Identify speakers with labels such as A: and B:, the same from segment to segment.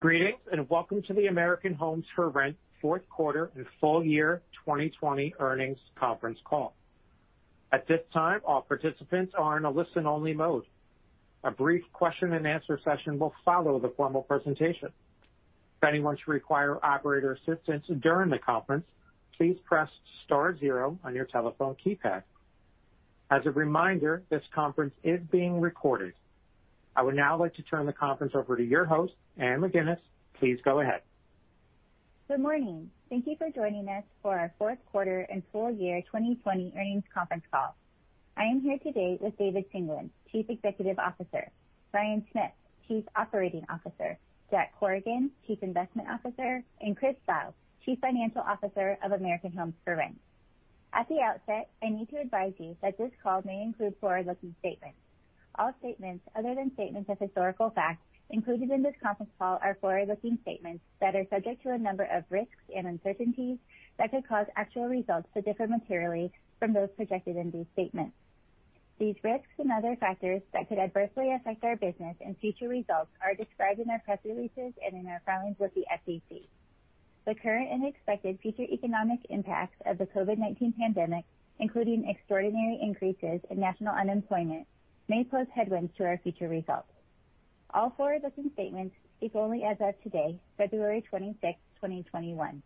A: Greetings, and welcome to the American Homes 4 Rent Q4 and Full Year 2020 Earnings Conference Call. I would now like to turn the conference over to your host, Anne McGuinness. Please go ahead.
B: Good morning. Thank you for joining us for our Q4 and Full Year 2020 Earnings Conference Call. I am here today with David Singelyn, Chief Executive Officer, Bryan Smith, Chief Operating Officer, Jack Corrigan, Chief Investment Officer, and Chris Lau, Chief Financial Officer of American Homes 4 Rent. At the outset, I need to advise you that this call may include forward-looking statements. All statements other than statements of historical fact included in this conference call are forward-looking statements that are subject to a number of risks and uncertainties that could cause actual results to differ materially from those projected in these statements. These risks and other factors that could adversely affect our business and future results are described in our press releases and in our filings with the SEC. The current and expected future economic impacts of the COVID-19 pandemic, including extraordinary increases in national unemployment, may pose headwinds to our future results. All forward-looking statements speak only as of today, February 26, 2021.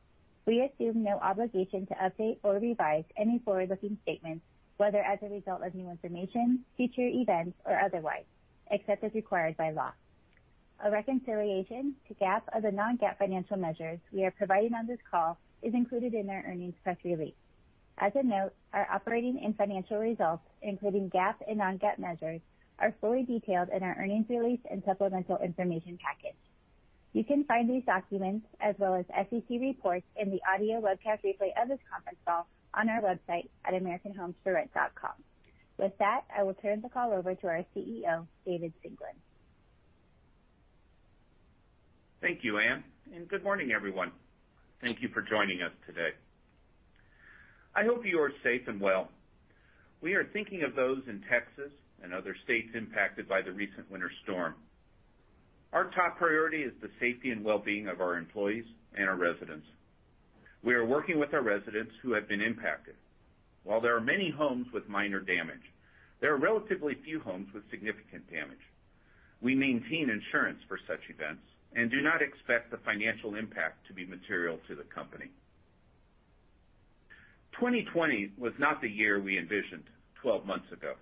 B: We assume no obligation to update or revise any forward-looking statements, whether as a result of new information, future events, or otherwise, except as required by law. A reconciliation to GAAP of the non-GAAP financial measures we are providing on this call is included in our earnings press release. As a note, our operating and financial results, including GAAP and non-GAAP measures, are fully detailed in our earnings release and supplemental information package. You can find these documents as well as SEC reports and the audio webcast replay of this conference call on our website at americanhomes4rent.com. With that, I will turn the call over to our CEO, David Singelyn.
C: Thank you, Anne, and good morning, everyone. Thank you for joining us today. I hope you are safe and well. We are thinking of those in Texas and other states impacted by the recent winter storm. Our top priority is the safety and well-being of our employees and our residents. We are working with our residents who have been impacted. While there are many homes with minor damage, there are relatively few homes with significant damage. We maintain insurance for such events and do not expect the financial impact to be material to the company. 2020 was not the year we envisioned 12 months ago.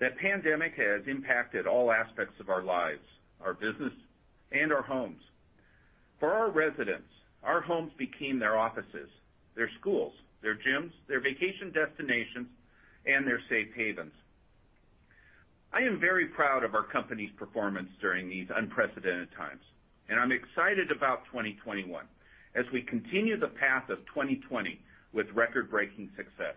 C: That pandemic has impacted all aspects of our lives, our business, and our homes. For our residents, our homes became their offices, their schools, their gyms, their vacation destinations, and their safe havens. I am very proud of our company's performance during these unprecedented times, and I'm excited about 2021 as we continue the path of 2020 with record-breaking success.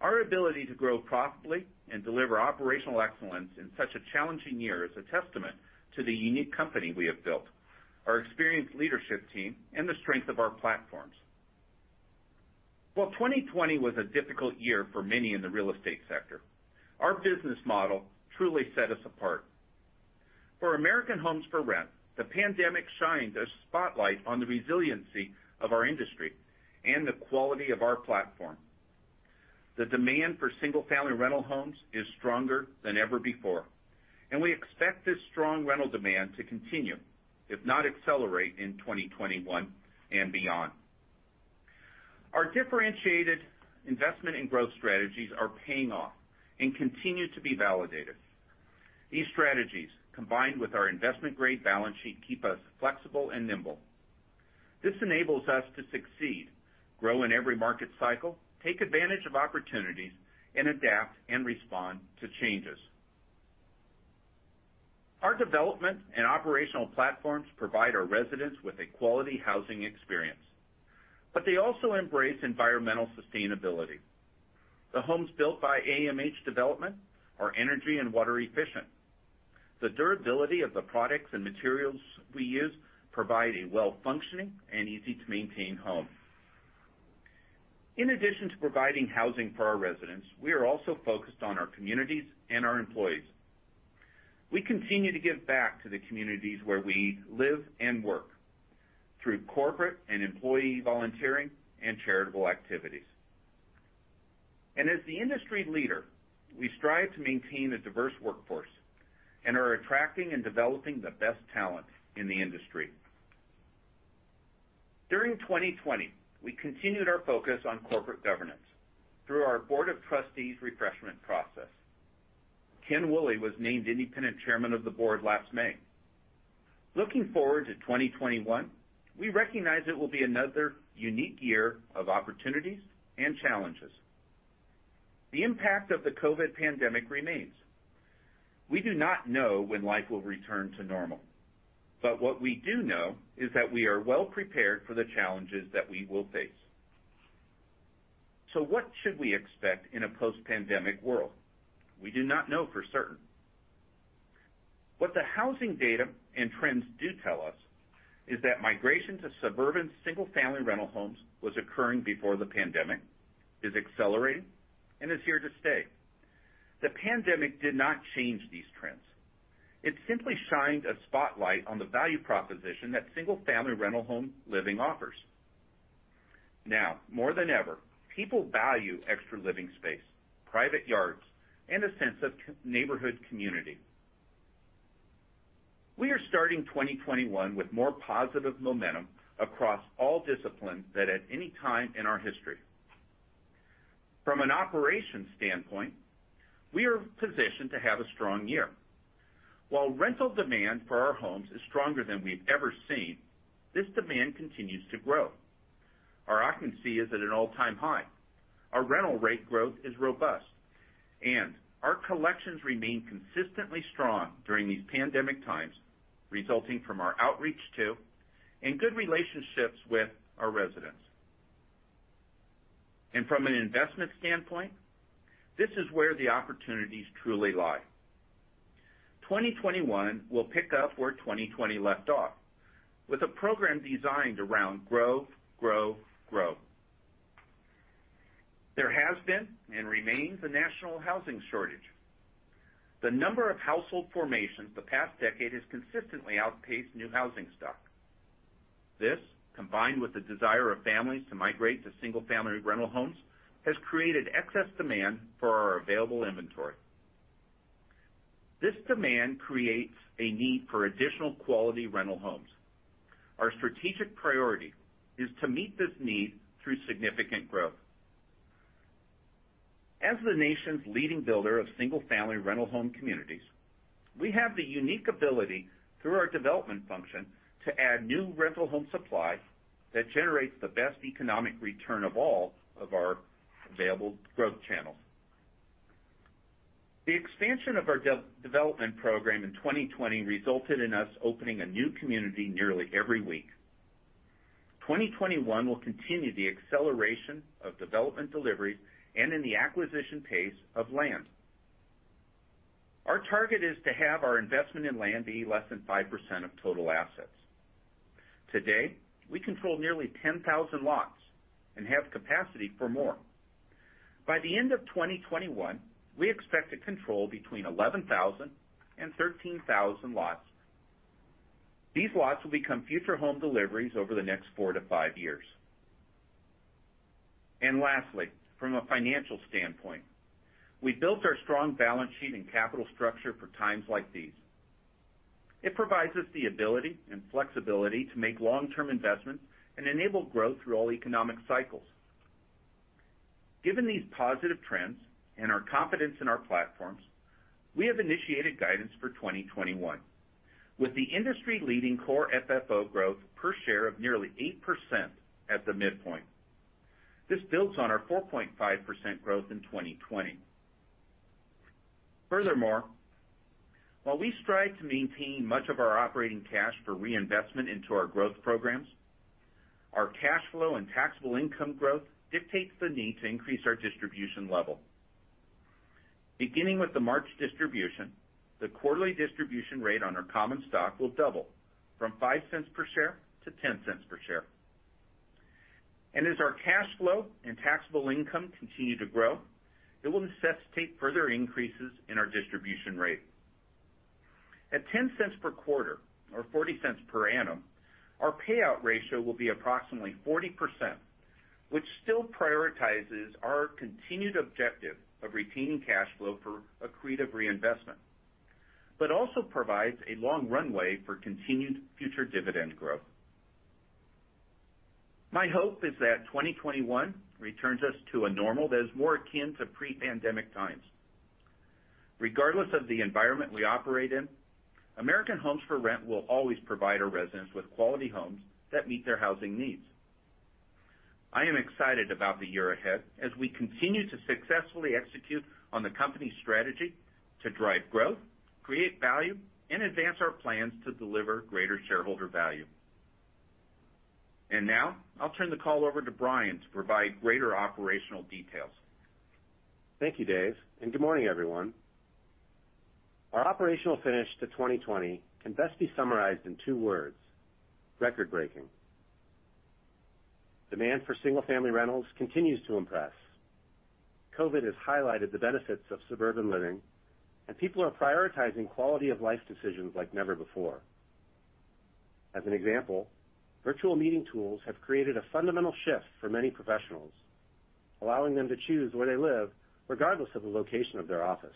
C: Our ability to grow profitably and deliver operational excellence in such a challenging year is a testament to the unique company we have built, our experienced leadership team, and the strength of our platforms. While 2020 was a difficult year for many in the real estate sector, our business model truly set us apart. For American Homes 4 Rent, the pandemic shined a spotlight on the resiliency of our industry and the quality of our platform. The demand for single-family rental homes is stronger than ever before, and we expect this strong rental demand to continue, if not accelerate, in 2021 and beyond. Our differentiated investment and growth strategies are paying off and continue to be validated. These strategies, combined with our investment-grade balance sheet, keep us flexible and nimble. This enables us to succeed, grow in every market cycle, take advantage of opportunities, and adapt and respond to changes. Our development and operational platforms provide our residents with a quality housing experience, they also embrace environmental sustainability. The homes built by AMH Development are energy and water efficient. The durability of the products and materials we use provide a well-functioning and easy-to-maintain home. In addition to providing housing for our residents, we are also focused on our communities and our employees. We continue to give back to the communities where we live and work through corporate and employee volunteering and charitable activities. As the industry leader, we strive to maintain a diverse workforce and are attracting and developing the best talent in the industry. During 2020, we continued our focus on corporate governance through our Board of Trustees refreshment process. Ken Woolley was named Independent Chairman of the Board last May. Looking forward to 2021, we recognize it will be another unique year of opportunities and challenges. The impact of the COVID-19 pandemic remains. We do not know when life will return to normal, but what we do know is that we are well prepared for the challenges that we will face. What should we expect in a post-pandemic world? We do not know for certain. What the housing data and trends do tell us is that migration to suburban single-family rental homes was occurring before the pandemic, is accelerating, and is here to stay. The pandemic did not change these trends. It simply shined a spotlight on the value proposition that single-family rental home living offers. Now more than ever, people value extra living space, private yards, and a sense of neighborhood community. We are starting 2021 with more positive momentum across all disciplines than at any time in our history. From an operations standpoint, we are positioned to have a strong year. While rental demand for our homes is stronger than we've ever seen, this demand continues to grow. Our occupancy is at an all-time high. Our rental rate growth is robust, and our collections remain consistently strong during these pandemic times, resulting from our outreach to and good relationships with our residents. From an investment standpoint, this is where the opportunities truly lie. 2021 will pick up where 2020 left off, with a program designed around grow. There has been and remains a national housing shortage. The number of household formations the past decade has consistently outpaced new housing stock. This, combined with the desire of families to migrate to single-family rental homes, has created excess demand for our available inventory. This demand creates a need for additional quality rental homes. Our strategic priority is to meet this need through significant growth. As the nation's leading builder of single-family rental home communities, we have the unique ability through our development function to add new rental home supply that generates the best economic return of all of our available growth channels. The expansion of our development program in 2020 resulted in us opening a new community nearly every week. 2021 will continue the acceleration of development deliveries and in the acquisition pace of land. Our target is to have our investment in land be less than 5% of total assets. Today, we control nearly 10,000 lots and have capacity for more. Lastly, from a financial standpoint, we built our strong balance sheet and capital structure for times like these. It provides us the ability and flexibility to make long-term investments and enable growth through all economic cycles. Given these positive trends and our confidence in our platforms, we have initiated guidance for 2021. With the industry-leading Core FFO growth per share of nearly 8% at the midpoint. This builds on our 4.5% growth in 2020. While we strive to maintain much of our operating cash for reinvestment into our growth programs, our cash flow and taxable income growth dictates the need to increase our distribution level. Beginning with the March distribution, the quarterly distribution rate on our common stock will double from $0.05 per share to $0.10 per share. As our cash flow and taxable income continue to grow, it will necessitate further increases in our distribution rate. At $0.10 per quarter or $0.40 per annum, our payout ratio will be approximately 40%, which still prioritizes our continued objective of retaining cash flow for accretive reinvestment, but also provides a long runway for continued future dividend growth. My hope is that 2021 returns us to a normal that is more akin to pre-pandemic times. Regardless of the environment we operate in, American Homes 4 Rent will always provide our residents with quality homes that meet their housing needs. I am excited about the year ahead as we continue to successfully execute on the company's strategy to drive growth, create value, and advance our plans to deliver greater shareholder value. Now I'll turn the call over to Bryan to provide greater operational details.
D: Thank you, Dave. Good morning, everyone. Our operational finish to 2020 can best be summarized in two words: record-breaking. Demand for single-family rentals continues to impress. COVID has highlighted the benefits of suburban living, and people are prioritizing quality-of-life decisions like never before. As an example, virtual meeting tools have created a fundamental shift for many professionals, allowing them to choose where they live regardless of the location of their office.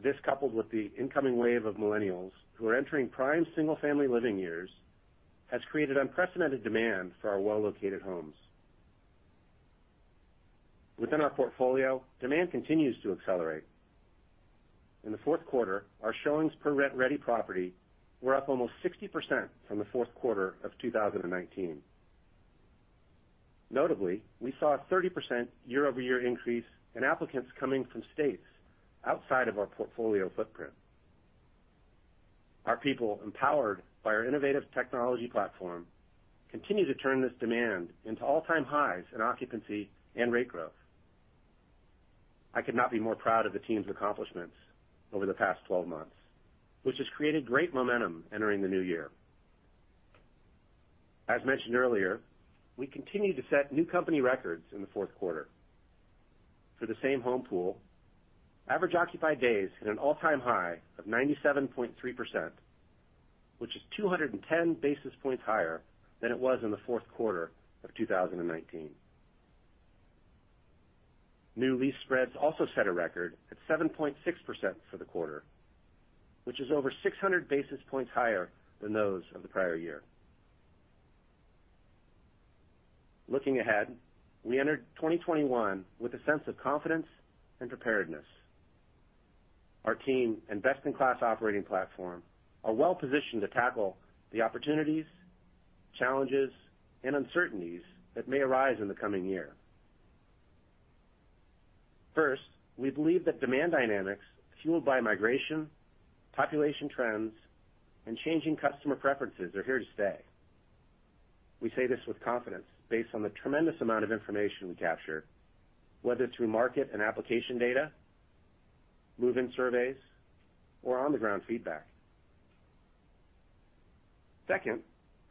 D: This, coupled with the incoming wave of millennials who are entering prime single-family living years, has created unprecedented demand for our well-located homes. Within our portfolio, demand continues to accelerate. In the Q4, our showings per rent-ready property were up almost 60% from the Q4 of 2019. Notably, we saw a 30% year-over-year increase in applicants coming from states outside of our portfolio footprint. Our people, empowered by our innovative technology platform, continue to turn this demand into all-time highs in occupancy and rate growth. I could not be more proud of the team's accomplishments over the past 12 months, which has created great momentum entering the new year. As mentioned earlier, we continue to set new company records in the Q4. For the same home pool, average occupied days hit an all-time high of 97.3%, which is 210 basis points higher than it was in the Q4 of 2019. New lease spreads also set a record at 7.6% for the quarter, which is over 600 basis points higher than those of the prior year. Looking ahead, we entered 2021 with a sense of confidence and preparedness. Our team and best-in-class operating platform are well-positioned to tackle the opportunities, challenges, and uncertainties that may arise in the coming year. First, we believe that demand dynamics fueled by migration, population trends, and changing customer preferences are here to stay. We say this with confidence based on the tremendous amount of information we capture, whether through market and application data, move-in surveys, or on-the-ground feedback. Second,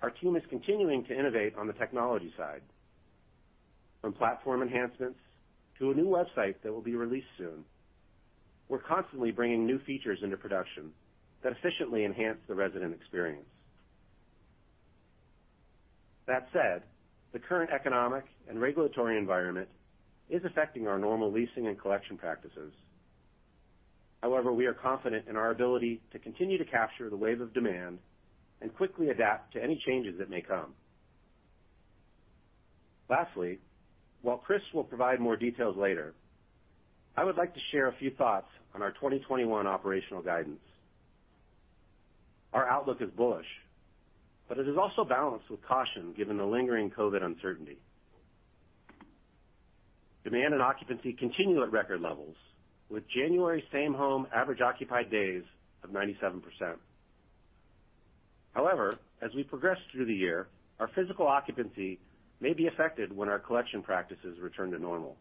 D: our team is continuing to innovate on the technology side, from platform enhancements to a new website that will be released soon. We're constantly bringing new features into production that efficiently enhance the resident experience. That said, the current economic and regulatory environment is affecting our normal leasing and collection practices. We are confident in our ability to continue to capture the wave of demand and quickly adapt to any changes that may come. Lastly, while Chris will provide more details later, I would like to share a few thoughts on our 2021 operational guidance. Our outlook is bullish, it is also balanced with caution given the lingering COVID-19 uncertainty. Demand and occupancy continue at record levels, with January same home average occupied days of 97%. However, as we progress through the year, our physical occupancy may be affected when our collection practices return to normal.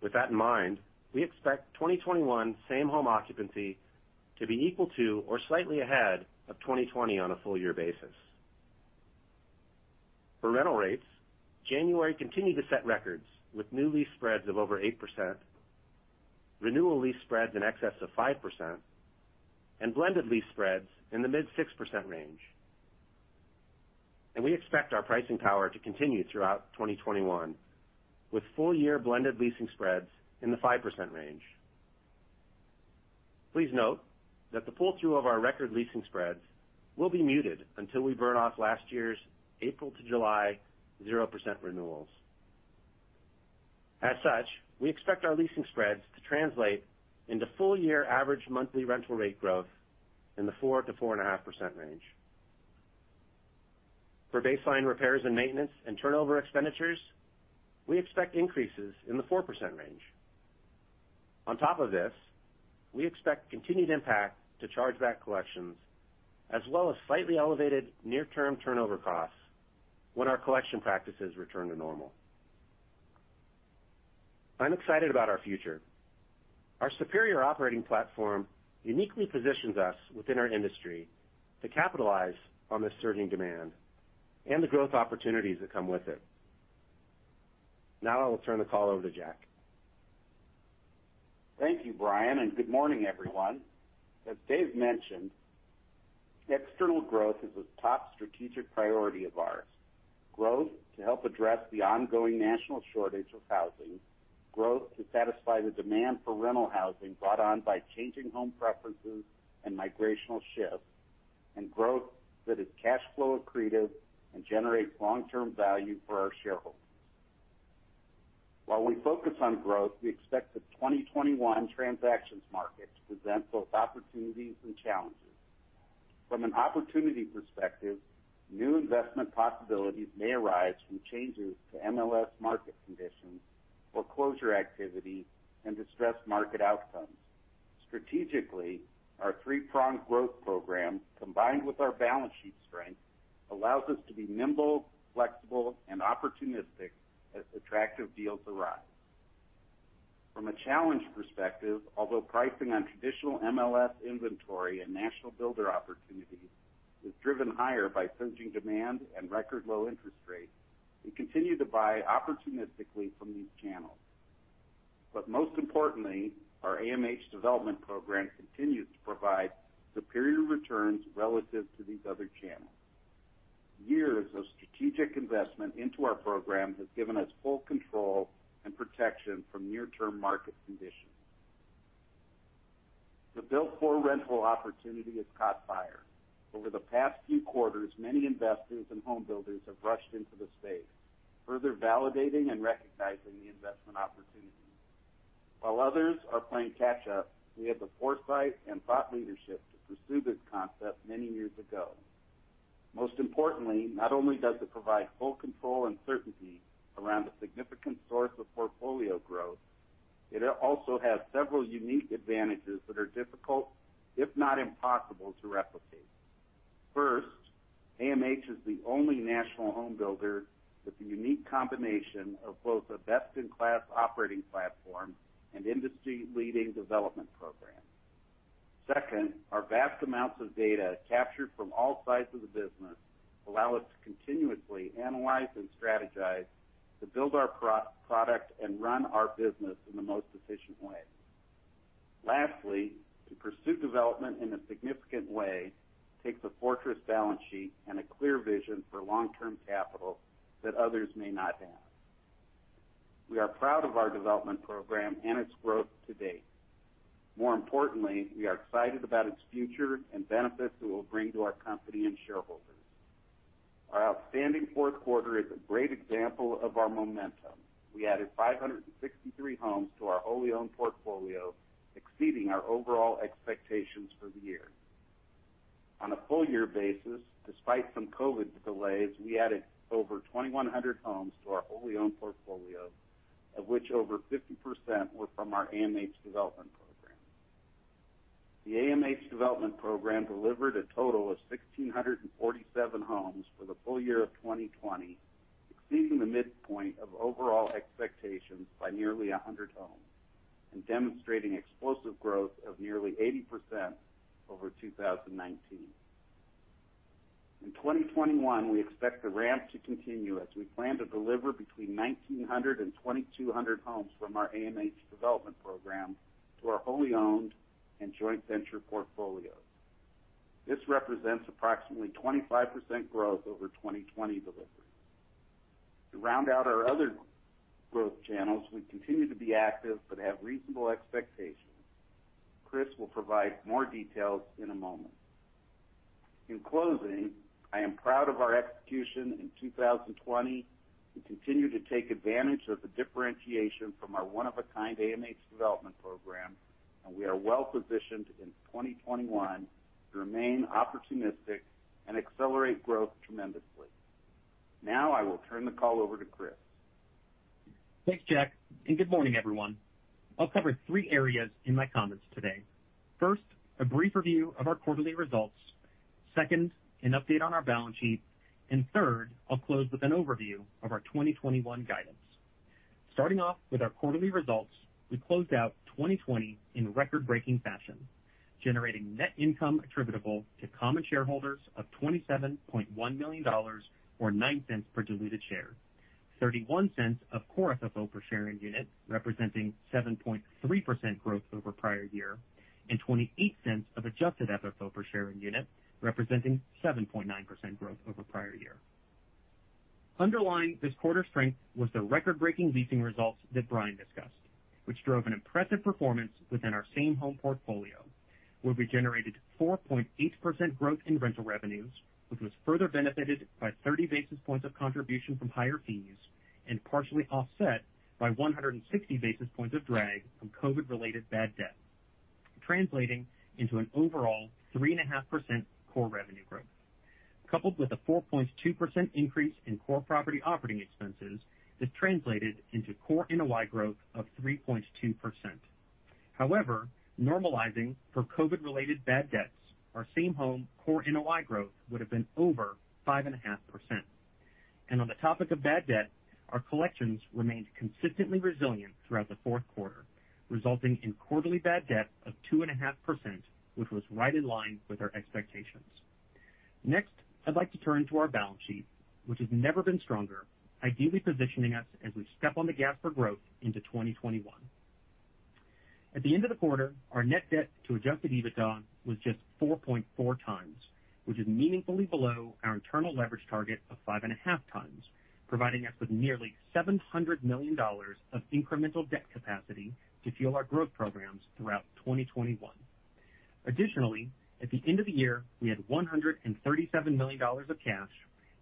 D: With that in mind, we expect 2021 same home occupancy to be equal to or slightly ahead of 2020 on a full year basis. For rental rates, January continued to set records with new lease spreads of over 8%, renewal lease spreads in excess of 5%, and blended lease spreads in the mid-6% range. We expect our pricing power to continue throughout 2021, with full-year blended leasing spreads in the 5% range. Please note that the pull-through of our record leasing spreads will be muted until we burn off last year's April to July 0% renewals. As such, we expect our leasing spreads to translate into full-year average monthly rental rate growth in the 4%-4.5% range. For baseline repairs and maintenance and turnover expenditures, we expect increases in the 4% range. On top of this, we expect continued impact to chargeback collections, as well as slightly elevated near-term turnover costs when our collection practices return to normal. I'm excited about our future. Our superior operating platform uniquely positions us within our industry to capitalize on the surging demand and the growth opportunities that come with it. Now I will turn the call over to Jack.
E: Thank you, Bryan, good morning, everyone. As David mentioned, external growth is a top strategic priority of ours. Growth to help address the ongoing national shortage of housing, growth to satisfy the demand for rental housing brought on by changing home preferences and migrational shifts, and growth that is cash flow accretive and generates long-term value for our shareholders. While we focus on growth, we expect the 2021 transactions market to present both opportunities and challenges. From an opportunity perspective, new investment possibilities may arise from changes to MLS market conditions foreclosure activity and distressed market outcomes. Strategically, our three-pronged growth program, combined with our balance sheet strength, allows us to be nimble, flexible, and opportunistic as attractive deals arise. From a challenge perspective, although pricing on traditional MLS inventory and national builder opportunities is driven higher by surging demand and record low interest rates, we continue to buy opportunistically from these channels. Most importantly, our AMH Development program continues to provide superior returns relative to these other channels. Years of strategic investment into our program has given us full control and protection from near-term market conditions. The build-to-rent opportunity has caught fire. Over the past few quarters, many investors and home builders have rushed into the space, further validating and recognizing the investment opportunity. While others are playing catch up, we had the foresight and thought leadership to pursue this concept many years ago. Most importantly, not only does it provide full control and certainty around a significant source of portfolio growth, it also has several unique advantages that are difficult, if not impossible, to replicate. First, AMH is the only national home builder with the unique combination of both a best-in-class operating platform and industry-leading development program. Second, our vast amounts of data captured from all sides of the business allow us to continuously analyze and strategize to build our product and run our business in the most efficient way. Lastly, to pursue development in a significant way takes a fortress balance sheet and a clear vision for long-term capital that others may not have. We are proud of our development program and its growth to date. More importantly, we are excited about its future and benefits it will bring to our company and shareholders. Our outstanding Q4 is a great example of our momentum. We added 563 homes to our wholly owned portfolio, exceeding our overall expectations for the year. On a full-year basis, despite some COVID-19 delays, we added over 2,100 homes to our wholly owned portfolio, of which over 50% were from our AMH Development program. The AMH Development program delivered a total of 1,647 homes for the full year of 2020, exceeding the midpoint of overall expectations by nearly 100 homes and demonstrating explosive growth of nearly 80% over 2019. In 2021, we expect the ramp to continue as we plan to deliver between 1,900 and 2,200 homes from our AMH Development program to our wholly owned and joint venture portfolios. This represents approximately 25% growth over 2020 delivery. To round out our other growth channels, we continue to be active but have reasonable expectations. Chris will provide more details in a moment. In closing, I am proud of our execution in 2020. We continue to take advantage of the differentiation from our one-of-a-kind AMH Development program, and we are well-positioned in 2021 to remain opportunistic and accelerate growth tremendously. Now I will turn the call over to Chris.
F: Thanks, Jack. Good morning, everyone. I'll cover three areas in my comments today. First, a brief review of our quarterly results. Second, an update on our balance sheet. Third, I'll close with an overview of our 2021 guidance. Starting off with our quarterly results, we closed out 2020 in record-breaking fashion, generating net income attributable to common shareholders of $27.1 million, or $0.09 per diluted share, $0.31 of Core FFO per share and unit, representing 7.3% growth over prior year, and $0.28 of Adjusted FFO per share and unit, representing 7.9% growth over prior year. Underlying this quarter's strength was the record-breaking leasing results that Bryan discussed, which drove an impressive performance within our same-home portfolio, where we generated 4.8% growth in rental revenues, which was further benefited by 30 basis points of contribution from higher fees and partially offset by 160 basis points of drag from COVID-related bad debt, translating into an overall 3.5% Core revenue growth. Coupled with a 4.2% increase in Core property operating expenses, this translated into Core NOI growth of 3.2%. However, normalizing for COVID-related bad debts, our same-home Core NOI growth would have been over 5.5%. On the topic of bad debt, our collections remained consistently resilient throughout the Q4, resulting in quarterly bad debt of 2.5%, which was right in line with our expectations. I'd like to turn to our balance sheet, which has never been stronger, ideally positioning us as we step on the gas for growth into 2021. At the end of the quarter, our net debt to Adjusted EBITDA was just 4.4x, which is meaningfully below our internal leverage target of 5.5x, providing us with nearly $700 million of incremental debt capacity to fuel our growth programs throughout 2021. At the end of the year, we had $137 million of cash,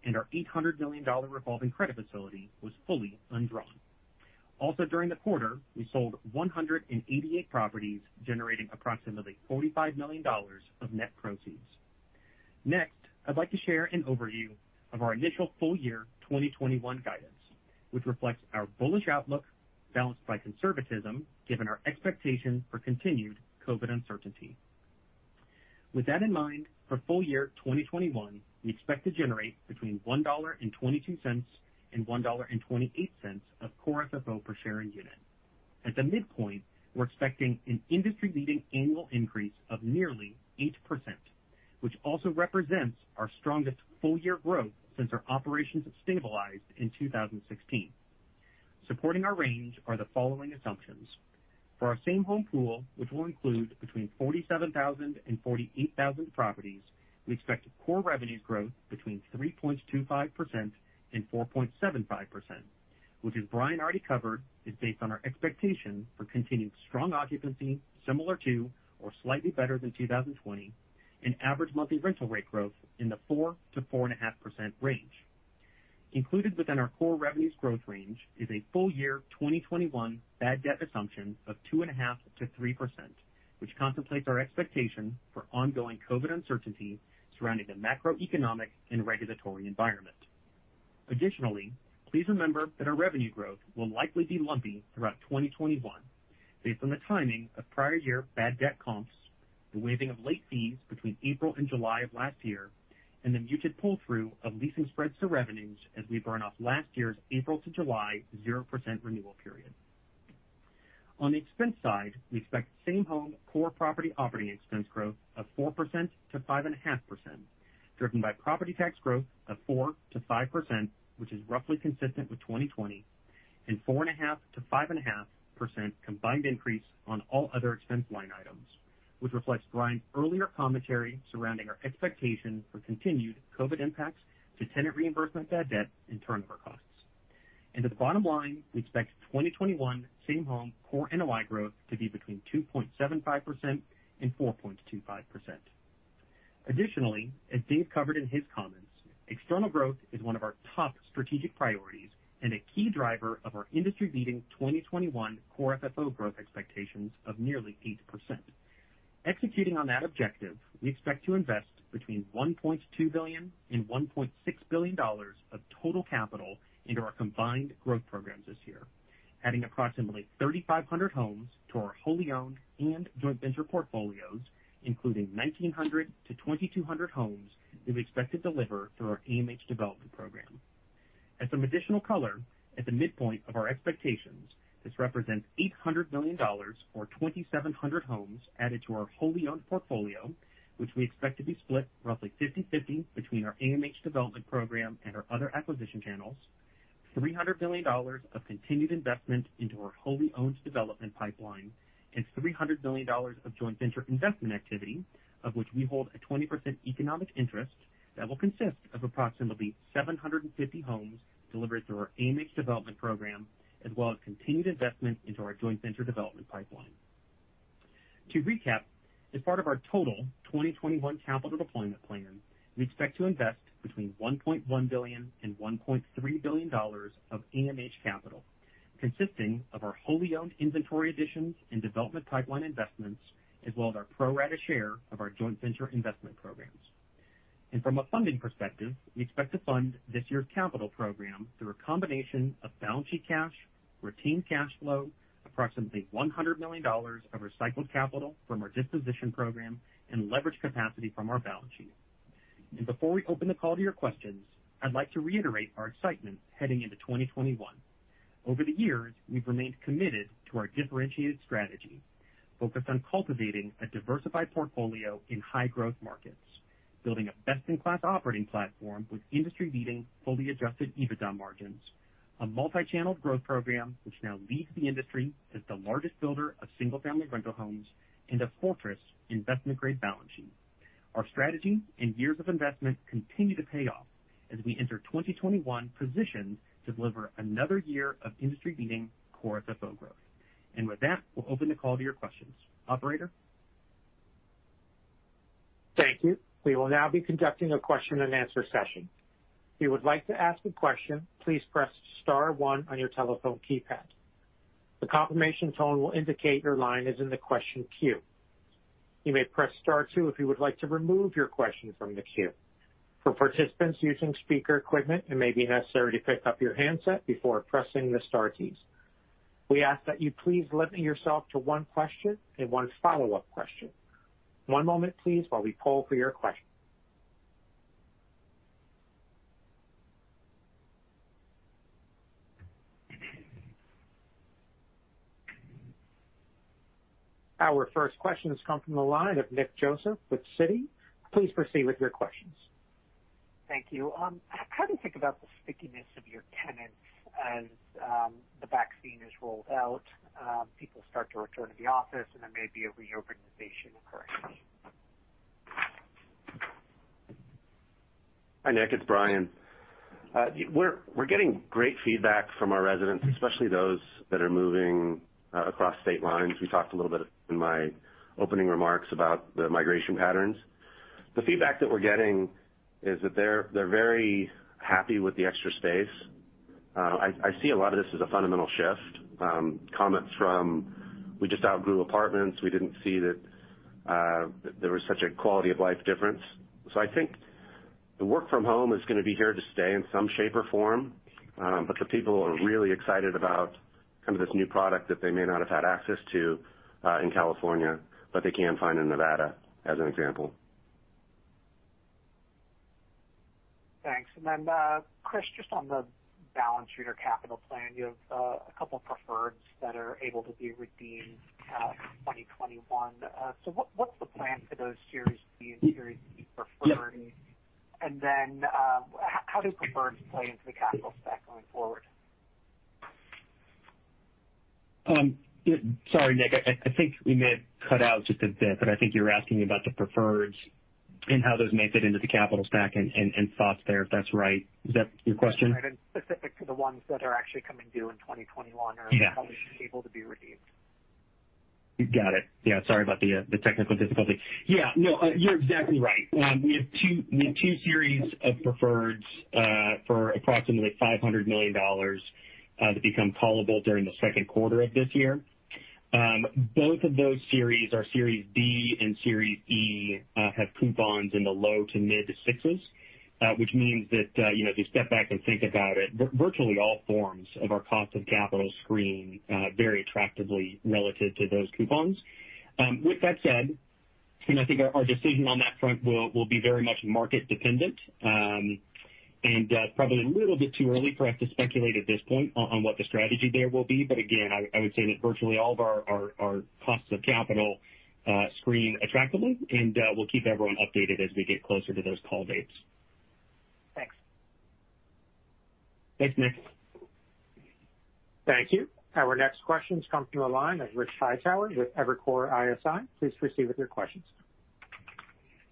F: and our $800 million revolving credit facility was fully undrawn. During the quarter, we sold 188 properties, generating approximately $45 million of net proceeds. I'd like to share an overview of our initial full-year 2021 guidance, which reflects our bullish outlook balanced by conservatism given our expectation for continued COVID-19 uncertainty. With that in mind, for full-year 2021, we expect to generate between $1.22 and $1.28 of Core FFO per share and unit. At the midpoint, we're expecting an industry-leading annual increase of nearly 8%, which also represents our strongest full-year growth since our operations stabilized in 2016. Supporting our range are the following assumptions. For our same-home pool, which will include between 47,000 and 48,000 properties, we expect core revenue growth between 3.25% and 4.75%, which as Bryan already covered, is based on our expectation for continued strong occupancy similar to or slightly better than 2020, and average monthly rental rate growth in the 4%-4.5% range. Included within our core revenues growth range is a full-year 2021 bad debt assumption of 2.5%-3%, which contemplates our expectation for ongoing COVID-19 uncertainty surrounding the macroeconomic and regulatory environment. Additionally, please remember that our revenue growth will likely be lumpy throughout 2021 based on the timing of prior year bad debt comps, the waiving of late fees between April and July of last year. The muted pull-through of leasing spread to revenues as we burn off last year's April to July 0% renewal period. On the expense side, we expect same home Core property operating expense growth of 4%-5.5%, driven by property tax growth of 4%-5%, which is roughly consistent with 2020, and 4.5%-5.5% combined increase on all other expense line items, which reflects Bryan's earlier commentary surrounding our expectation for continued COVID impacts to tenant reimbursement, bad debt, and turnover costs. To the bottom line, we expect 2021 same home Core NOI growth to be between 2.75% and 4.25%. Additionally, as Dave covered in his comments, external growth is one of our top strategic priorities and a key driver of our industry-leading 2021 Core FFO growth expectations of nearly 8%. Executing on that objective, we expect to invest between $1.2 billion and $1.6 billion of total capital into our combined growth programs this year, adding approximately 3,500 homes to our wholly owned and joint venture portfolios, including 1,900-2,200 homes we expect to deliver through our AMH Development program. As some additional color, at the midpoint of our expectations, this represents $800 million, or 2,700 homes added to our wholly owned portfolio, which we expect to be split roughly 50/50 between our AMH Development program and our other acquisition channels, $300 million of continued investment into our wholly owned development pipeline, and $300 million of joint venture investment activity, of which we hold a 20% economic interest that will consist of approximately 750 homes delivered through our AMH Development program, as well as continued investment into our joint venture development pipeline. To recap, as part of our total 2021 capital deployment plan, we expect to invest between $1.1 billion and $1.3 billion of AMH capital, consisting of our wholly owned inventory additions and development pipeline investments, as well as our pro rata share of our joint venture investment programs. From a funding perspective, we expect to fund this year's capital program through a combination of balance sheet cash, routine cash flow, approximately $100 million of recycled capital from our disposition program, and leverage capacity from our balance sheet. Before we open the call to your questions, I'd like to reiterate our excitement heading into 2021. Over the years, we've remained committed to our differentiated strategy focused on cultivating a diversified portfolio in high-growth markets, building a best-in-class operating platform with industry-leading fully adjusted EBITDA margins, a multi-channel growth program which now leads the industry as the largest builder of single-family rental homes, and a fortress investment-grade balance sheet. Our strategy and years of investment continue to pay off as we enter 2021 positioned to deliver another year of industry-leading Core FFO growth. With that, we'll open the call to your questions. Operator?
A: Thank you. We will now be conducting a question-and-answer session. If you would like to ask a question, please press *1 on your telephone keypad. The confirmation tone will indicate your line is in the question queue. You may press *2 if you would like to remove your question from the queue. For participants using speaker equipment, it may be necessary to pick up your handset before pressing the star keys. We ask that you please limit yourself to one question and one follow-up question. One moment, please, while we poll for your question. Our first question has come from the line of Nick Joseph with Citi. Please proceed with your questions.
G: Thank you. How do you think about the stickiness of your tenants as the vaccine is rolled out, people start to return to the office, and there may be a reorganization occurring?
D: Hi, Nick. It's Bryan. We're getting great feedback from our residents, especially those that are moving across state lines. We talked a little bit in my opening remarks about the migration patterns. The feedback that we're getting is that they're very happy with the extra space. I see a lot of this as a fundamental shift. Comments from, "We just outgrew apartments. We didn't see that there was such a quality-of-life difference." I think the work from home is going to be here to stay in some shape or form. The people are really excited about this new product that they may not have had access to in California, but they can find in Nevada, as an example.
G: Thanks. Chris, just on the balance sheet or capital plan, you have a couple of preferreds that are able to be redeemed in 2021. What's the plan for those Series D and Series E preferreds? How do preferreds play into the capital stack going forward?
F: Sorry, Nick. I think we may have cut out just a bit, but I think you were asking about the preferreds and how those may fit into the capital stack and thoughts there, if that's right. Is that your question?
G: Right, specific to the ones that are actually coming due in 2021 or probably able to be redeemed.
F: Got it. Sorry about the technical difficulty. You're exactly right. We have two series of preferreds for approximately $500 million that become callable during the Q2 of this year. Both of those series are Series D and Series E, have coupons in the low to mid sixes. As you step back and think about it, virtually all forms of our cost of capital screen very attractively relative to those coupons. With that said, I think our decision on that front will be very much market dependent. Probably a little bit too early for us to speculate at this point on what the strategy there will be. Again, I would say that virtually all of our costs of capital screen attractively, and we'll keep everyone updated as we get closer to those call dates.
G: Thanks.
F: Thanks, Nick.
A: Thank you. Our next question comes from the line of Rich Hightower with Evercore ISI. Please proceed with your questions.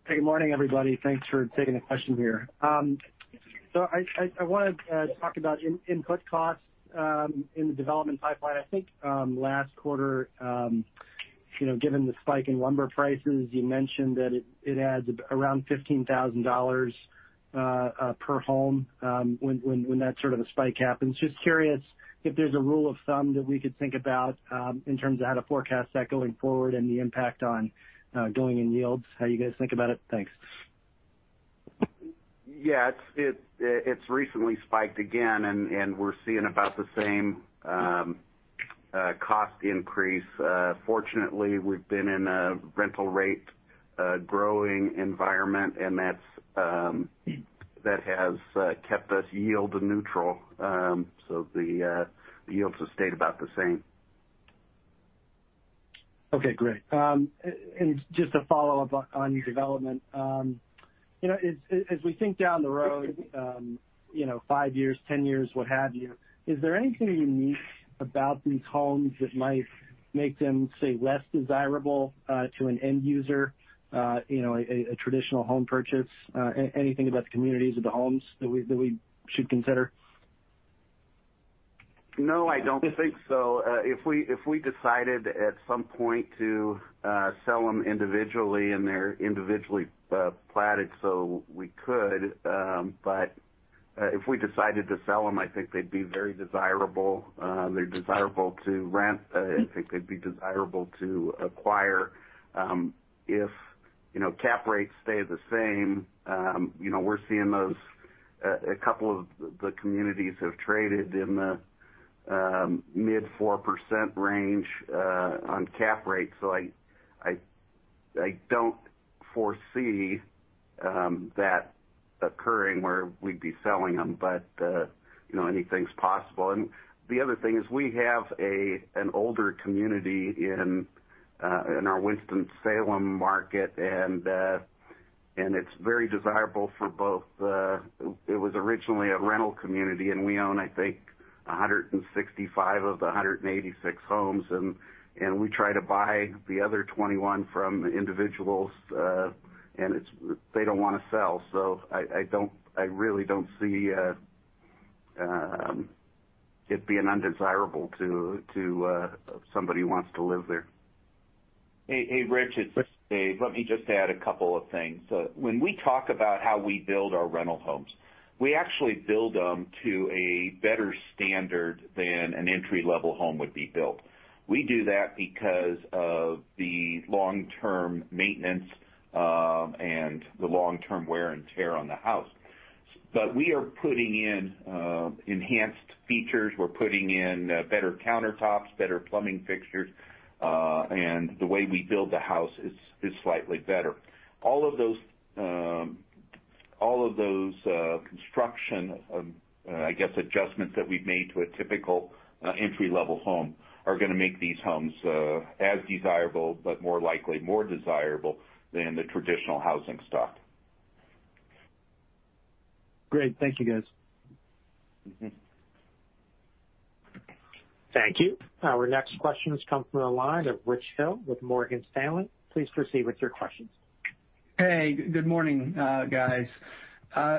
H: Good morning, everybody. Thanks for taking the question here. I want to talk about input costs in the development pipeline. I think last quarter, given the spike in lumber prices, you mentioned that it adds around $15,000 per home when that sort of a spike happens. Just curious if there's a rule of thumb that we could think about in terms of how to forecast that going forward and the impact on going-in yields, how you guys think about it? Thanks.
E: Yeah. It's recently spiked again, and we're seeing about the same cost increase. Fortunately, we've been in a rental rate growing environment, and that has kept us yield neutral. The yields have stayed about the same.
H: Okay, great. Just a follow-up on development. As we think down the road, five years, 10 years, what have you, is there anything unique about these homes that might make them, say, less desirable to an end user, a traditional home purchase? Anything about the communities or the homes that we should consider?
E: No, I don't think so. If we decided at some point to sell them individually, and they're individually platted, we could. If we decided to sell them, I think they'd be very desirable. They're desirable to rent. I think they'd be desirable to acquire. If cap rates stay the same, we're seeing those, a couple of the communities have traded in the mid-4% range on cap rates. I don't foresee that occurring where we'd be selling them, but anything's possible. The other thing is we have an older community in our Winston-Salem market, and it's very desirable for both. It was originally a rental community, and we own, I think, 165 of the 186 homes. We try to buy the other 21 from individuals, and they don't want to sell. I really don't see it being undesirable to somebody who wants to live there.
C: Hey, Rich, it's Dave. Let me just add a couple of things. When we talk about how we build our rental homes, we actually build them to a better standard than an entry-level home would be built. We do that because of the long-term maintenance, and the long-term wear and tear on the house. We are putting in enhanced features. We're putting in better countertops, better plumbing fixtures, and the way we build the house is slightly better. All of those construction, I guess, adjustments that we've made to a typical entry-level home are going to make these homes as desirable, but more likely, more desirable than the traditional housing stock.
H: Great. Thank you, guys.
A: Thank you. Our next question comes from the line of Rich Hill with Morgan Stanley. Please proceed with your questions.
I: Hey, good morning, guys.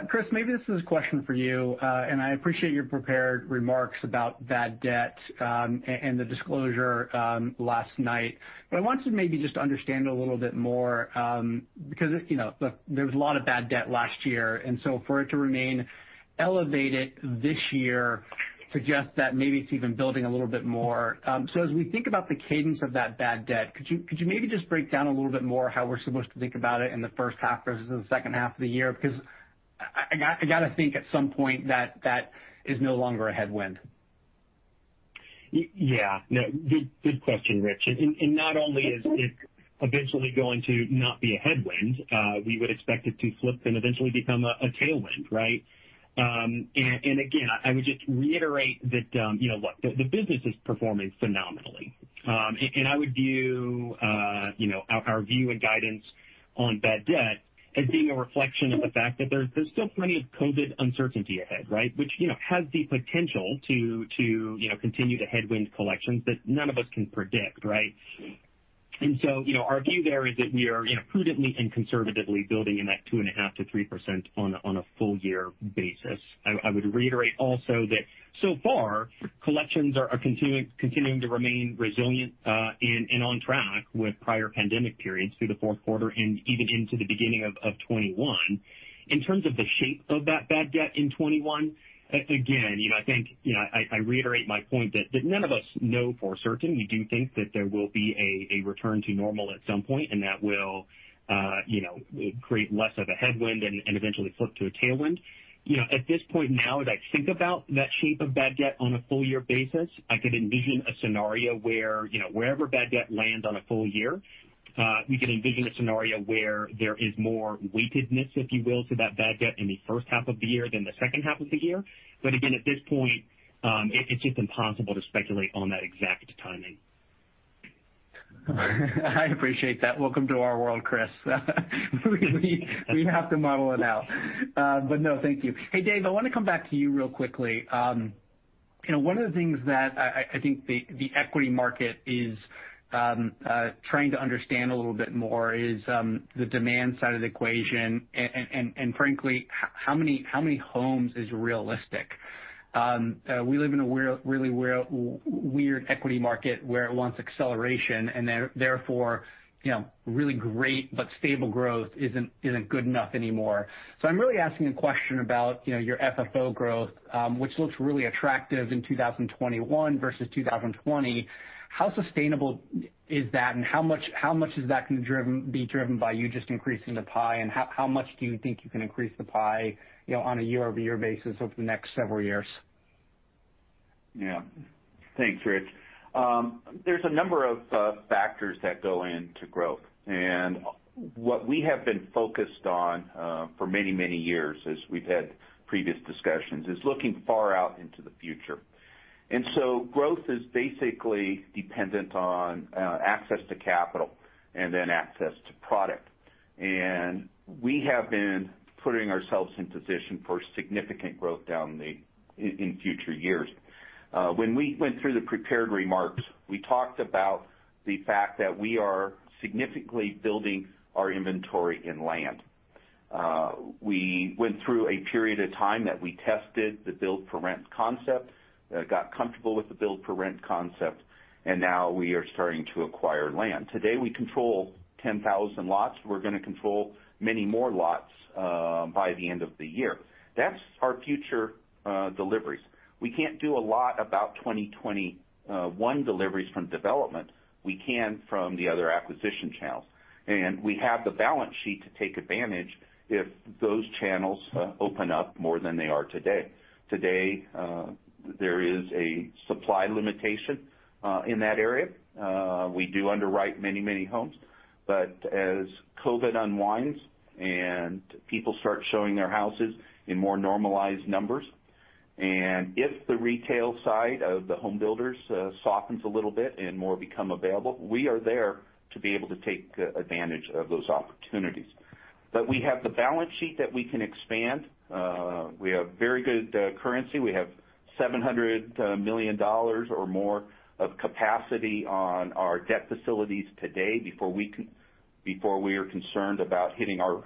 I: Chris, maybe this is a question for you. I appreciate your prepared remarks about bad debt, and the disclosure last night. I want to maybe just understand a little bit more, because there was a lot of bad debt last year, for it to remain elevated this year suggests that maybe it's even building a little bit more. As we think about the cadence of that bad debt, could you maybe just break down a little bit more how we're supposed to think about it in the first half versus the second half of the year? I got to think at some point that that is no longer a headwind.
F: Yeah. No, good question, Rich. Not only is it eventually going to not be a headwind, we would expect it to flip and eventually become a tailwind, right? Again, I would just reiterate that the business is performing phenomenally. I would view our view and guidance on bad debt as being a reflection of the fact that there's still plenty of COVID uncertainty ahead. Which has the potential to continue to headwind collections that none of us can predict, right? Our view there is that we are prudently and conservatively building in that 2.5%-3% on a full year basis. I would reiterate also that so far, collections are continuing to remain resilient, and on track with prior pandemic periods through the Q4 and even into the beginning of 2021. In terms of the shape of that bad debt in 2021, again, I reiterate my point that none of us know for certain. We do think that there will be a return to normal at some point, and that will create less of a headwind and eventually flip to a tailwind. At this point now, as I think about that shape of bad debt on a full year basis, I could envision a scenario where wherever bad debt lands on a full year, we can envision a scenario where there is more weightedness, if you will, to that bad debt in the first half of the year than the second half of the year. Again, at this point, it's just impossible to speculate on that exact timing.
I: I appreciate that. Welcome to our world, Chris. We have to model it out. No, thank you. Hey, Dave, I want to come back to you real quickly. One of the things that I think the equity market is trying to understand a little bit more is the demand side of the equation, and frankly, how many homes is realistic? We live in a really weird equity market where it wants acceleration, and therefore, really great but stable growth isn't good enough anymore. I'm really asking a question about your FFO growth, which looks really attractive in 2021 versus 2020. How sustainable is that, and how much is that going to be driven by you just increasing the pie? How much do you think you can increase the pie on a year-over-year basis over the next several years?
C: Yeah. Thanks, Rich. There's a number of factors that go into growth. What we have been focused on for many years, as we've had previous discussions, is looking far out into the future. Growth is basically dependent on access to capital and then access to product. We have been putting ourselves in position for significant growth in future years. When we went through the prepared remarks, we talked about the fact that we are significantly building our inventory in land. We went through a period of time that we tested the build-to-rent concept, got comfortable with the build-to-rent concept, and now we are starting to acquire land. Today, we control 10,000 lots. We're going to control many more lots by the end of the year. That's our future deliveries. We can't do a lot about 2021 deliveries from development. We can from the other acquisition channels. We have the balance sheet to take advantage if those channels open up more than they are today. Today, there is a supply limitation in that area. We do underwrite many homes. As COVID-19 unwinds and people start showing their houses in more normalized numbers, and if the retail side of the home builders softens a little bit and more become available, we are there to be able to take advantage of those opportunities. We have the balance sheet that we can expand. We have very good currency. We have $700 million or more of capacity on our debt facilities today before we are concerned about hitting our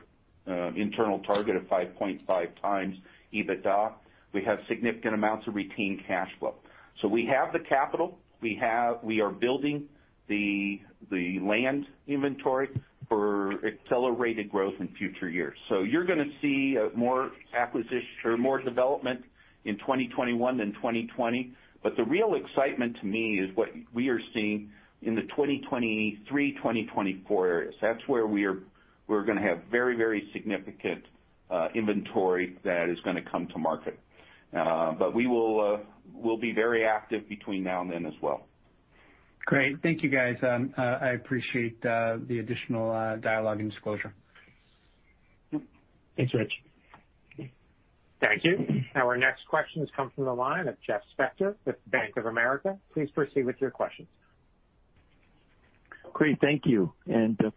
C: internal target of 5.5x EBITDA. We have significant amounts of retained cash flow. We have the capital. We are building the land inventory for accelerated growth in future years. You're going to see more development in 2021 than 2020. The real excitement to me is what we are seeing in the 2023, 2024 areas. That's where we're going to have very significant inventory that is going to come to market. We'll be very active between now and then as well.
I: Great. Thank you, guys. I appreciate the additional dialogue and disclosure.
C: Thanks, Rich.
A: Thank you. Our next question comes from the line of Jeffrey Spector with Bank of America. Please proceed with your questions.
J: Great, thank you.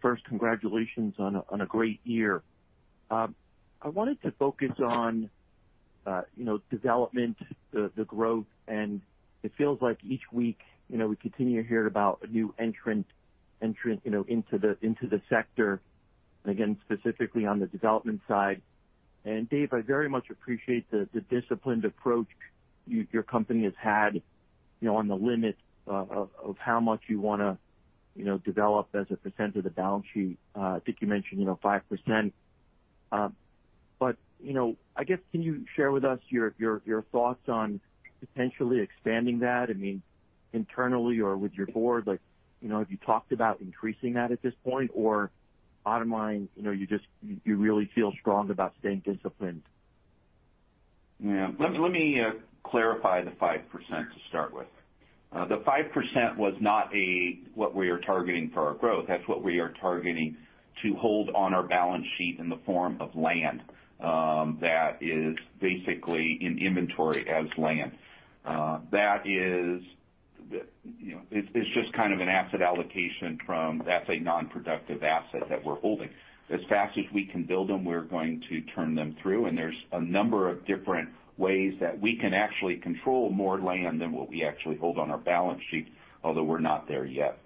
J: First, congratulations on a great year. I wanted to focus on development, the growth, and it feels like each week, we continue to hear about a new entrant into the sector, and again, specifically on the development side. Dave, I very much appreciate the disciplined approach your company has had on the limit of how much you want to develop as a % of the balance sheet. I think you mentioned 5%. I guess, can you share with us your thoughts on potentially expanding that? Internally or with your board, have you talked about increasing that at this point? Bottom line, you really feel strong about staying disciplined?
C: Let me clarify the 5% to start with. The 5% was not what we are targeting for our growth. That's what we are targeting to hold on our balance sheet in the form of land. That is basically in inventory as land. It's just kind of an asset allocation from, that's a non-productive asset that we're holding. As fast as we can build them, we're going to turn them through, and there's a number of different ways that we can actually control more land than what we actually hold on our balance sheet, although we're not there yet.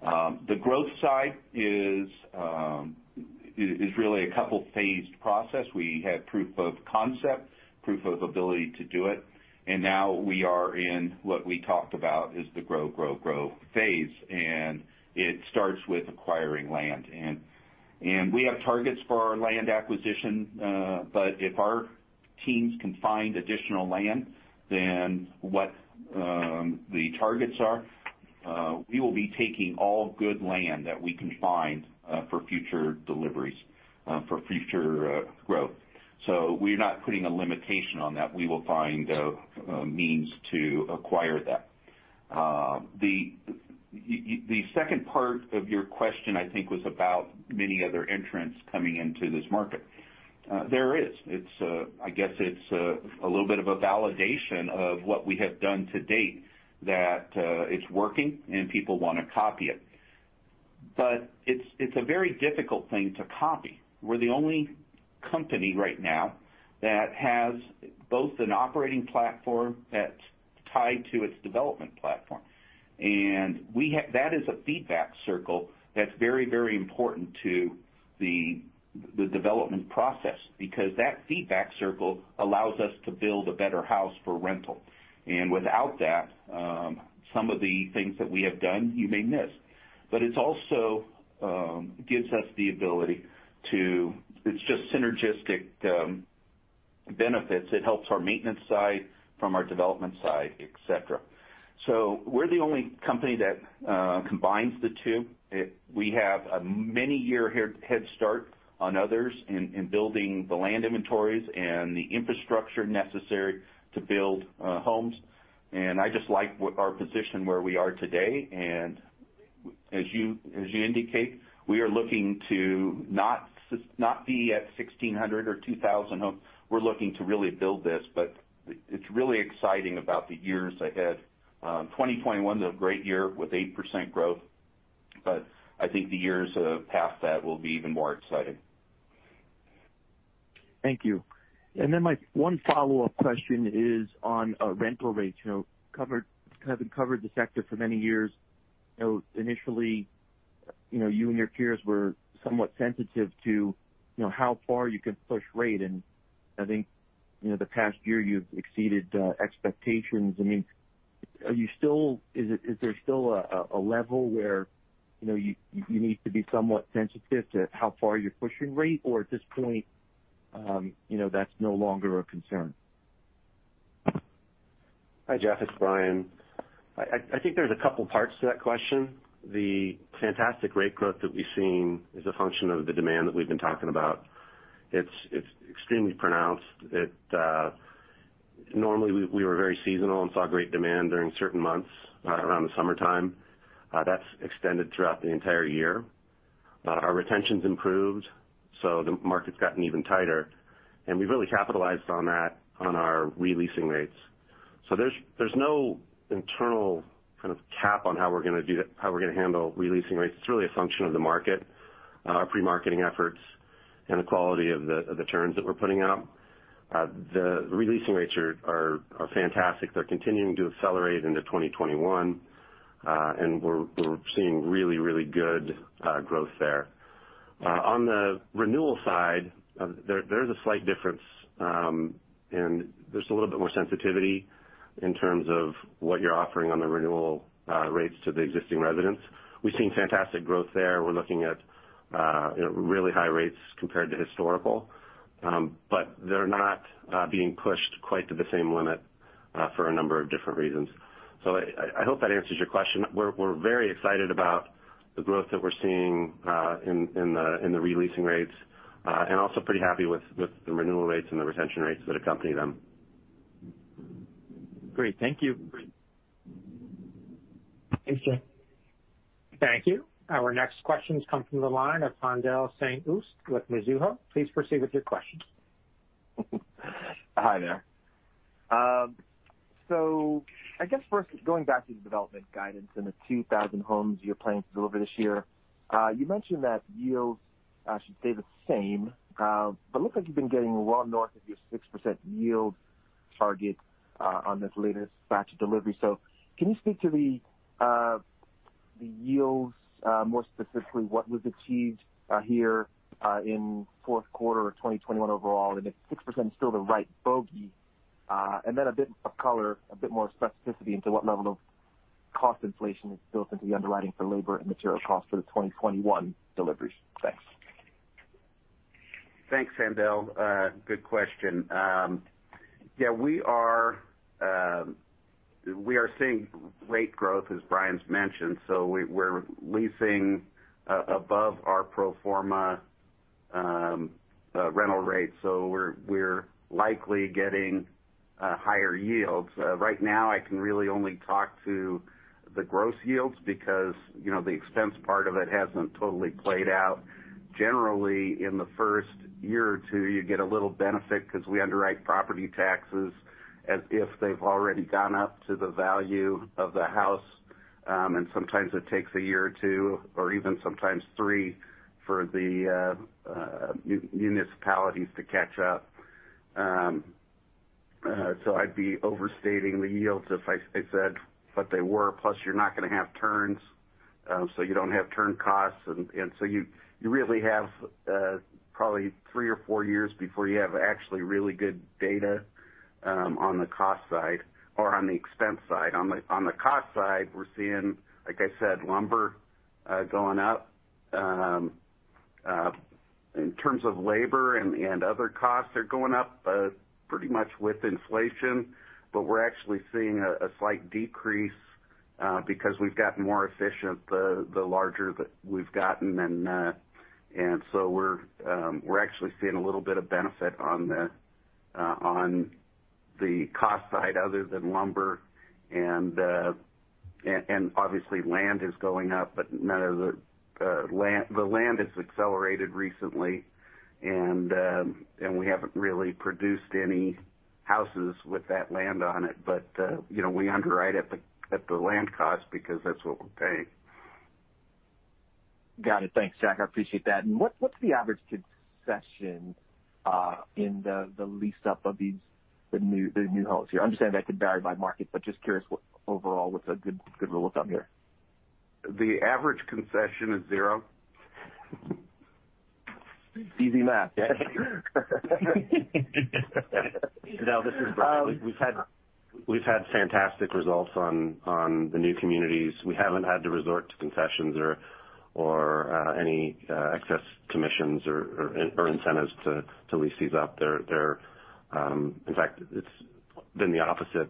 C: The growth side is really a couple phased process. We had proof of concept, proof of ability to do it, and now we are in what we talked about is the grow phase. It starts with acquiring land. We have targets for our land acquisition, but if our teams can find additional land than what the targets are, we will be taking all good land that we can find for future deliveries, for future growth. We're not putting a limitation on that. We will find means to acquire that. The second part of your question, I think, was about many other entrants coming into this market. There is. I guess it's a little bit of a validation of what we have done to date, that it's working, and people want to copy it. It's a very difficult thing to copy. We're the only company right now that has both an operating platform that's tied to its development platform, and that is a feedback circle that's very important to the development process, because that feedback circle allows us to build a better house for rental. Without that, some of the things that we have done, you may miss. It also gives us the ability, it's just synergistic benefits. It helps our maintenance side from our development side, et cetera. We're the only company that combines the two. We have a many-year head start on others in building the land inventories and the infrastructure necessary to build homes. I just like our position where we are today. As you indicate, we are looking to not be at 1,600 or 2,000 homes. We're looking to really build this, but it's really exciting about the years ahead. 2021 is a great year with 8% growth, but I think the years past that will be even more exciting.
J: Thank you. My one follow-up question is on rental rates. Having covered the sector for many years, initially, you and your peers were somewhat sensitive to how far you could push rate, and I think the past year you've exceeded expectations. Is there still a level where you need to be somewhat sensitive to how far you're pushing rate, or at this point, that's no longer a concern?
D: Hi, Jeff, it's Bryan. I think there's a couple parts to that question. The fantastic rate growth that we've seen is a function of the demand that we've been talking about. It's extremely pronounced. Normally, we were very seasonal and saw great demand during certain months around the summertime. That's extended throughout the entire year. Our retention's improved, so the market's gotten even tighter, and we've really capitalized on that on our re-leasing rates. There's no internal kind of cap on how we're going to handle re-leasing rates. It's really a function of the market, our pre-marketing efforts, and the quality of the turns that we're putting out. The re-leasing rates are fantastic. They're continuing to accelerate into 2021. We're seeing really good growth there. On the renewal side, there is a slight difference, and there's a little bit more sensitivity in terms of what you're offering on the renewal rates to the existing residents. We've seen fantastic growth there. We're looking at really high rates compared to historical. They're not being pushed quite to the same limit for a number of different reasons. I hope that answers your question. We're very excited about the growth that we're seeing in the re-leasing rates, and also pretty happy with the renewal rates and the retention rates that accompany them.
J: Great. Thank you.
C: Thanks, Jeff.
A: Thank you. Our next question comes from the line of Haendel St. Juste with Mizuho. Please proceed with your question.
K: Hi there. I guess first, going back to the development guidance and the 2,000 homes you're planning to deliver this year. You mentioned that yields should stay the same. Looks like you've been getting well north of your 6% yield target on this latest batch of delivery. Can you speak to the yields, more specifically what was achieved here in Q4 of 2020 overall, and if 6% is still the right bogey? A bit of color, a bit more specificity into what level of cost inflation is built into the underwriting for labor and material costs for the 2021 deliveries. Thanks.
E: Thanks, Haendel. Good question. Yeah, we are seeing great growth, as Bryan's mentioned, so we're leasing above our pro forma rental rates, so we're likely getting higher yields. Right now, I can really only talk to the gross yields because the expense part of it hasn't totally played out. Generally, in the first year or two, you get a little benefit because we underwrite property taxes as if they've already gone up to the value of the house. Sometimes it takes a year or two, or even sometimes three, for the municipalities to catch up. I'd be overstating the yields if I said what they were. Plus, you're not going to have turns, so you don't have turn costs. You really have probably three or four years before you have actually really good data on the cost side or on the expense side. On the cost side, we're seeing, like I said, lumber going up. In terms of labor and other costs are going up pretty much with inflation. We're actually seeing a slight decrease because we've gotten more efficient the larger that we've gotten, and so we're actually seeing a little bit of benefit on the cost side other than lumber. Obviously land is going up, but none of the land has accelerated recently, and we haven't really produced any houses with that land on it. We underwrite at the land cost because that's what we're paying.
K: Got it. Thanks, Jack. I appreciate that. What's the average concession in the lease-up of the new homes here? I understand that could vary by market, but just curious what, overall, what's a good rule of thumb here?
E: The average concession is zero.
K: Easy math. Yeah.
D: This is Bryan. We've had fantastic results on the new communities. We haven't had to resort to concessions or any excess commissions or incentives to lease these up. In fact, it's been the opposite.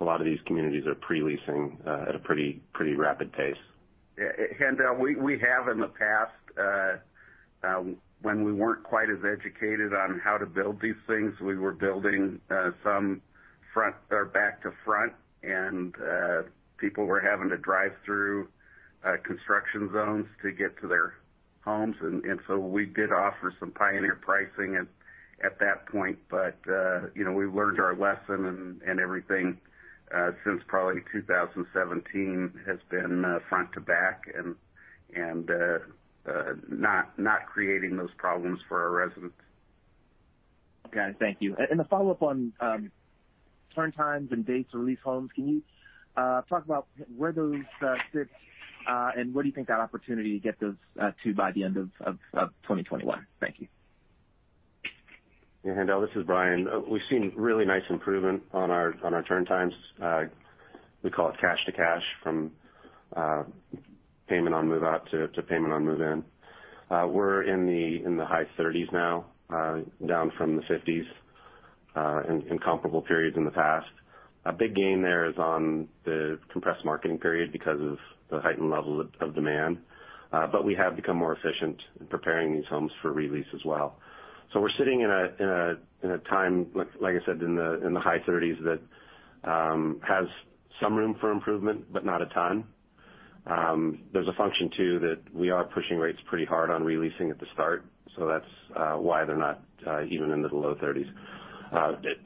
D: A lot of these communities are pre-leasing at a pretty rapid pace.
E: We have in the past, when we weren't quite as educated on how to build these things, we were building some back to front, and people were having to drive through construction zones to get to their homes. We did offer some pioneer pricing at that point. We learned our lesson and everything, since probably 2017, has been front to back and not creating those problems for our residents.
K: Okay. Thank you. A follow-up on turn times and dates to re-lease homes. Can you talk about where those sit, and where do you think the opportunity to get those to by the end of 2021? Thank you.
D: Yeah. This is Bryan. We've seen really nice improvement on our turn times. We call it cash to cash, from payment on move-out to payment on move-in. We're in the high 30s now, down from the 50s, in comparable periods in the past. A big gain there is on the compressed marketing period because of the heightened level of demand. We have become more efficient in preparing these homes for re-lease as well. We're sitting in a time, like I said, in the high 30s that has some room for improvement, but not a ton. There's a function, too, that we are pushing rates pretty hard on re-leasing at the start, so that's why they're not even in the low 30s.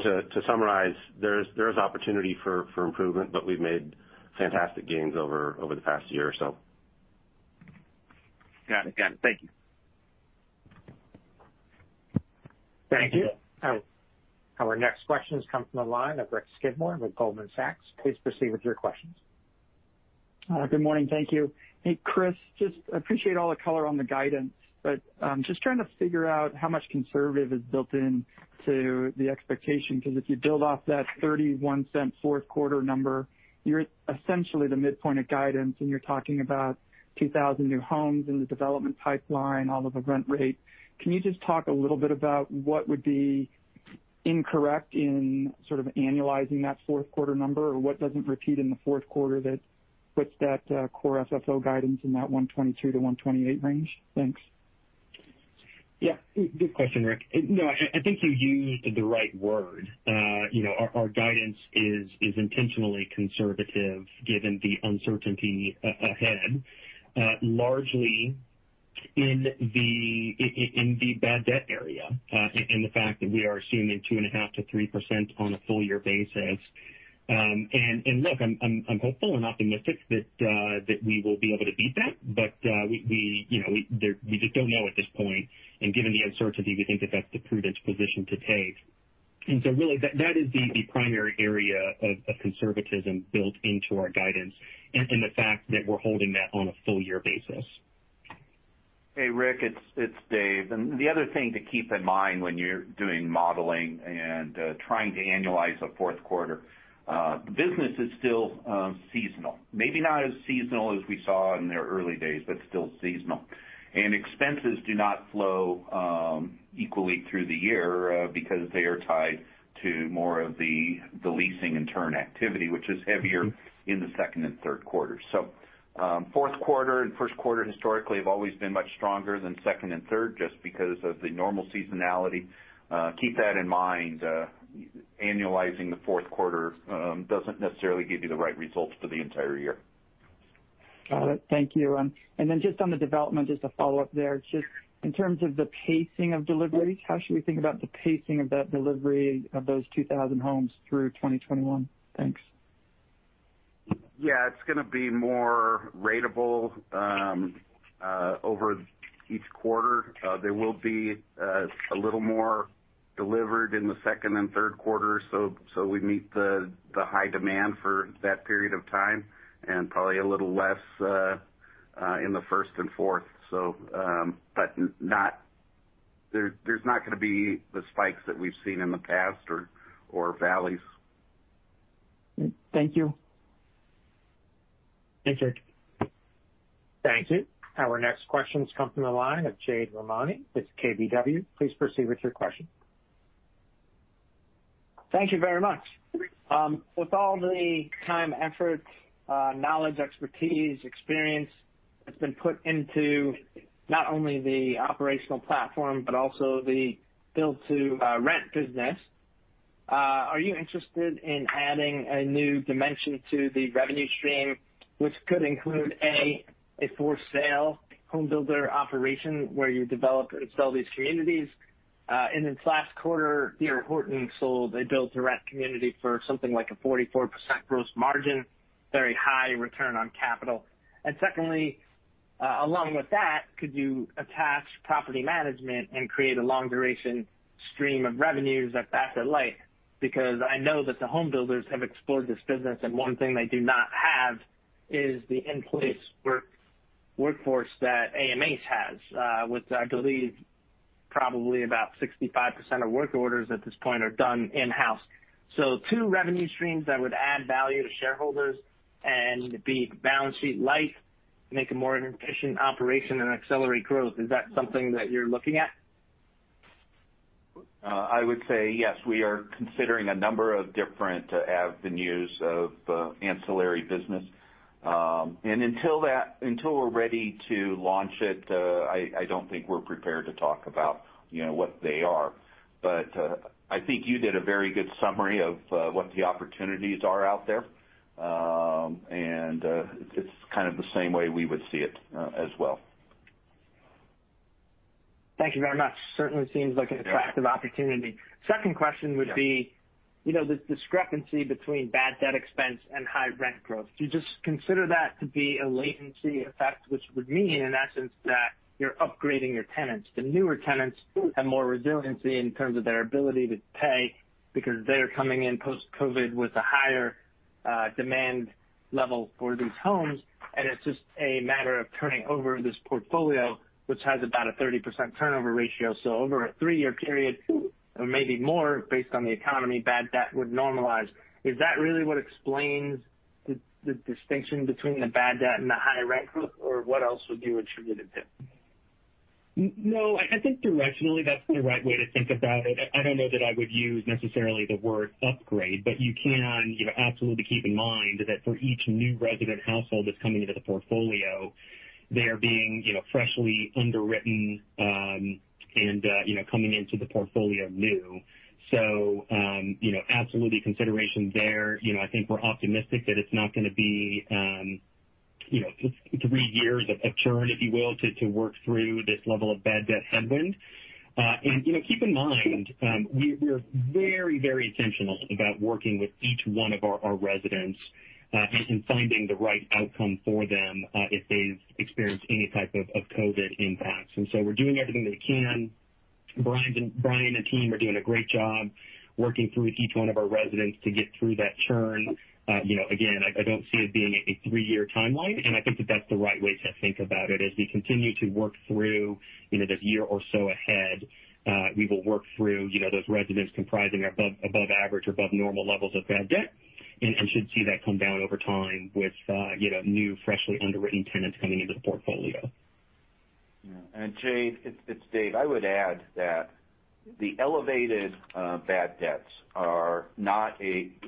D: To summarize, there is opportunity for improvement, but we've made fantastic gains over the past year or so.
K: Got it. Thank you.
A: Thank you. Our next question comes from the line of Rick Skidmore with Goldman Sachs. Please proceed with your questions.
L: Good morning. Thank you. Hey, Chris, just appreciate all the color on the guidance, but just trying to figure out how much conservative is built into the expectation. Because if you build off that $0.31 Q4 number, you're essentially the midpoint of guidance, and you're talking about 2,000 new homes in the development pipeline, all of the rent rate. Can you just talk a little bit about what would be incorrect in sort of annualizing that Q4 number? What doesn't repeat in the Q4 that puts that Core FFO guidance in that $1.23-$1.28 range? Thanks.
F: Yeah. Good question, Rick. No, I think you used the right word. Our guidance is intentionally conservative given the uncertainty ahead. Largely in the bad debt area, and the fact that we are assuming 2.5%-3% on a full-year basis. Look, I'm hopeful and optimistic that we will be able to beat that. We just don't know at this point. Given the uncertainty, we think that that's the prudent position to take. Really that is the primary area of conservatism built into our guidance and in the fact that we're holding that on a full year basis.
C: Hey, Rick, it's Dave. The other thing to keep in mind when you're doing modeling and trying to annualize a Q4, the business is still seasonal. Maybe not as seasonal as we saw in the early days, but still seasonal. Expenses do not flow equally through the year because they are tied to more of the leasing and turn activity, which is heavier in the Q2 and Q3. Q4 and Q1 historically have always been much stronger than second and third just because of the normal seasonality. Keep that in mind. Annualizing the Q4 doesn't necessarily give you the right results for the entire year.
L: Got it. Thank you. Just on the development, just to follow up there, just in terms of the pacing of deliveries, how should we think about the pacing of that delivery of those 2,000 homes through 2021? Thanks.
C: Yeah, it's going to be more ratable over each quarter. There will be a little more delivered in the Q2 and Q3, so we meet the high demand for that period of time, and probably a little less in the Q1 and Q4. There's not going to be the spikes that we've seen in the past or valleys.
L: Thank you.
F: Thanks, Rick.
A: Thank you. Our next question comes from the line of Jade Rahmani with KBW. Please proceed with your question.
M: Thank you very much. With all the time, effort, knowledge, expertise, experience that's been put into not only the operational platform but also the build-to-rent business. Are you interested in adding a new dimension to the revenue stream, which could include a for sale home builder operation where you develop and sell these communities? In last quarter, D.R. Horton sold a build-to-rent community for something like a 44% gross margin, very high return on capital. Secondly, along with that, could you attach property management and create a long-duration stream of revenues that's asset-light? Because I know that the home builders have explored this business, and one thing they do not have is the in-place workforce that AMH has, with, I believe, probably about 65% of work orders at this point are done in-house. Two revenue streams that would add value to shareholders and be balance sheet light, make a more efficient operation, and accelerate growth. Is that something that you're looking at?
C: I would say yes. We are considering a number of different avenues of ancillary business. Until we're ready to launch it, I don't think we're prepared to talk about what they are. I think you did a very good summary of what the opportunities are out there. It's kind of the same way we would see it as well.
M: Thank you very much. Certainly seems like an attractive opportunity. Second question would be, this discrepancy between bad debt expense and high rent growth. Do you just consider that to be a latency effect, which would mean, in essence, that you're upgrading your tenants? The newer tenants have more resiliency in terms of their ability to pay because they're coming in post-COVID with a higher demand level for these homes, and it's just a matter of turning over this portfolio, which has about a 30% turnover ratio. Over a three-year period, or maybe more based on the economy, bad debt would normalize. Is that really what explains the distinction between the bad debt and the high rent growth, or what else would you attribute it to?
F: No, I think directionally that's the right way to think about it. I don't know that I would use necessarily the word upgrade, but you can absolutely keep in mind that for each new resident household that's coming into the portfolio, they are being freshly underwritten and coming into the portfolio new. Absolutely consideration there. I think we're optimistic that it's not going to be three years of churn, if you will, to work through this level of bad debt headwind. Keep in mind, we are very intentional about working with each one of our residents and finding the right outcome for them if they've experienced any type of COVID impacts. We're doing everything we can. Bryan and team are doing a great job working through each one of our residents to get through that churn. Again, I don't see it being a three-year timeline, and I think that that's the right way to think about it. As we continue to work through the year or so ahead, we will work through those residents comprising above average or above normal levels of bad debt and should see that come down over time with new, freshly underwritten tenants coming into the portfolio.
C: Jade, it's David. I would add that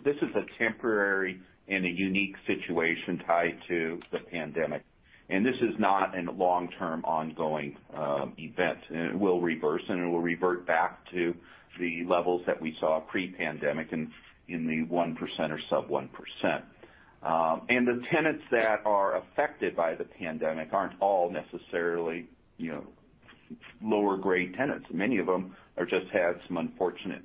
C: this is a temporary and a unique situation tied to the pandemic, and this is not a long-term ongoing event. It will reverse, and it will revert back to the levels that we saw pre-pandemic in the 1% or sub 1%. The tenants that are affected by the pandemic aren't all necessarily lower-grade tenants. Many of them have just had some unfortunate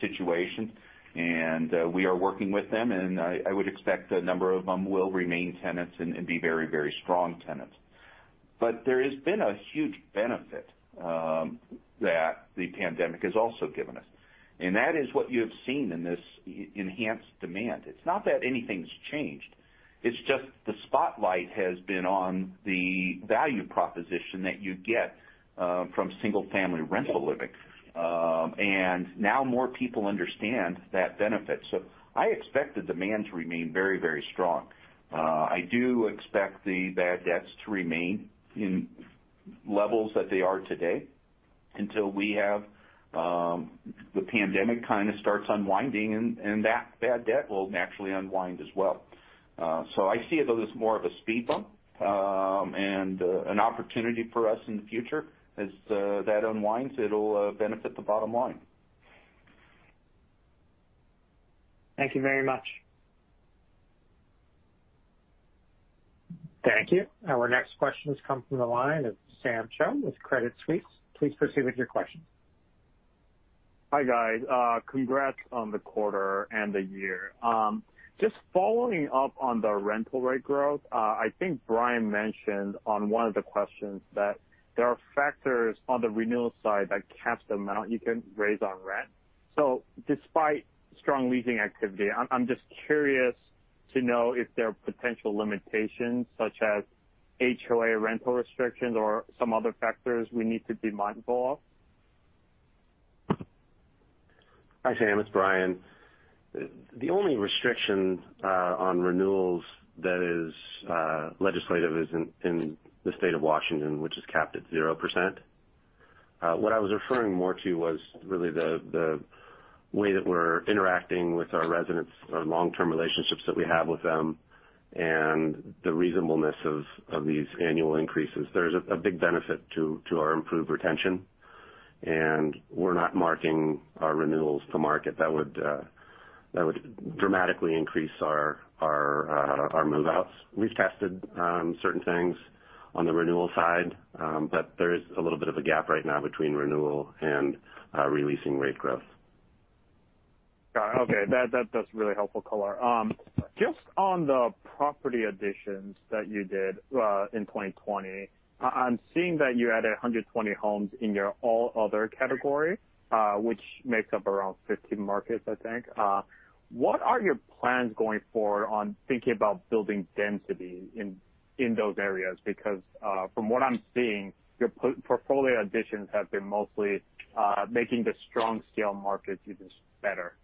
C: situations, and we are working with them, and I would expect a number of them will remain tenants and be very strong tenants. There has been a huge benefit that the pandemic has also given us, and that is what you have seen in this enhanced demand. It's not that anything's changed. It's just the spotlight has been on the value proposition that you get from single-family rental living. Now more people understand that benefit. I expect the demand to remain very strong. I do expect the bad debts to remain in levels that they are today until we have the pandemic kind of starts unwinding, and that bad debt will naturally unwind as well. I see it as more of a speed bump, and an opportunity for us in the future. As that unwinds, it'll benefit the bottom line.
M: Thank you very much.
A: Thank you. Our next question comes from the line of Sam Choe with Credit Suisse. Please proceed with your question.
N: Hi, guys. Congrats on the quarter and the year. Just following up on the rental rate growth. I think Bryan mentioned on one of the questions that there are factors on the renewal side that cap the amount you can raise on rent. Despite strong leasing activity, I'm just curious to know if there are potential limitations such as HOA rental restrictions or some other factors we need to be mindful of.
D: Hi, Sam. It's Bryan. The only restriction on renewals that is legislative is in the state of Washington, which is capped at 0%. What I was referring more to was really the way that we're interacting with our residents, our long-term relationships that we have with them, and the reasonableness of these annual increases. There's a big benefit to our improved retention. We're not marking our renewals to market. That would dramatically increase our move-outs. We've tested certain things on the renewal side, but there is a little bit of a gap right now between renewal and re-leasing rate growth.
N: Got it. Okay. That's really helpful color. On the property additions that you did in 2020, I'm seeing that you added 120 homes in your all other category, which makes up around 15 markets, I think. What are your plans going forward on thinking about building density in those areas? From what I'm seeing, your portfolio additions have been mostly making the strong scale markets even better.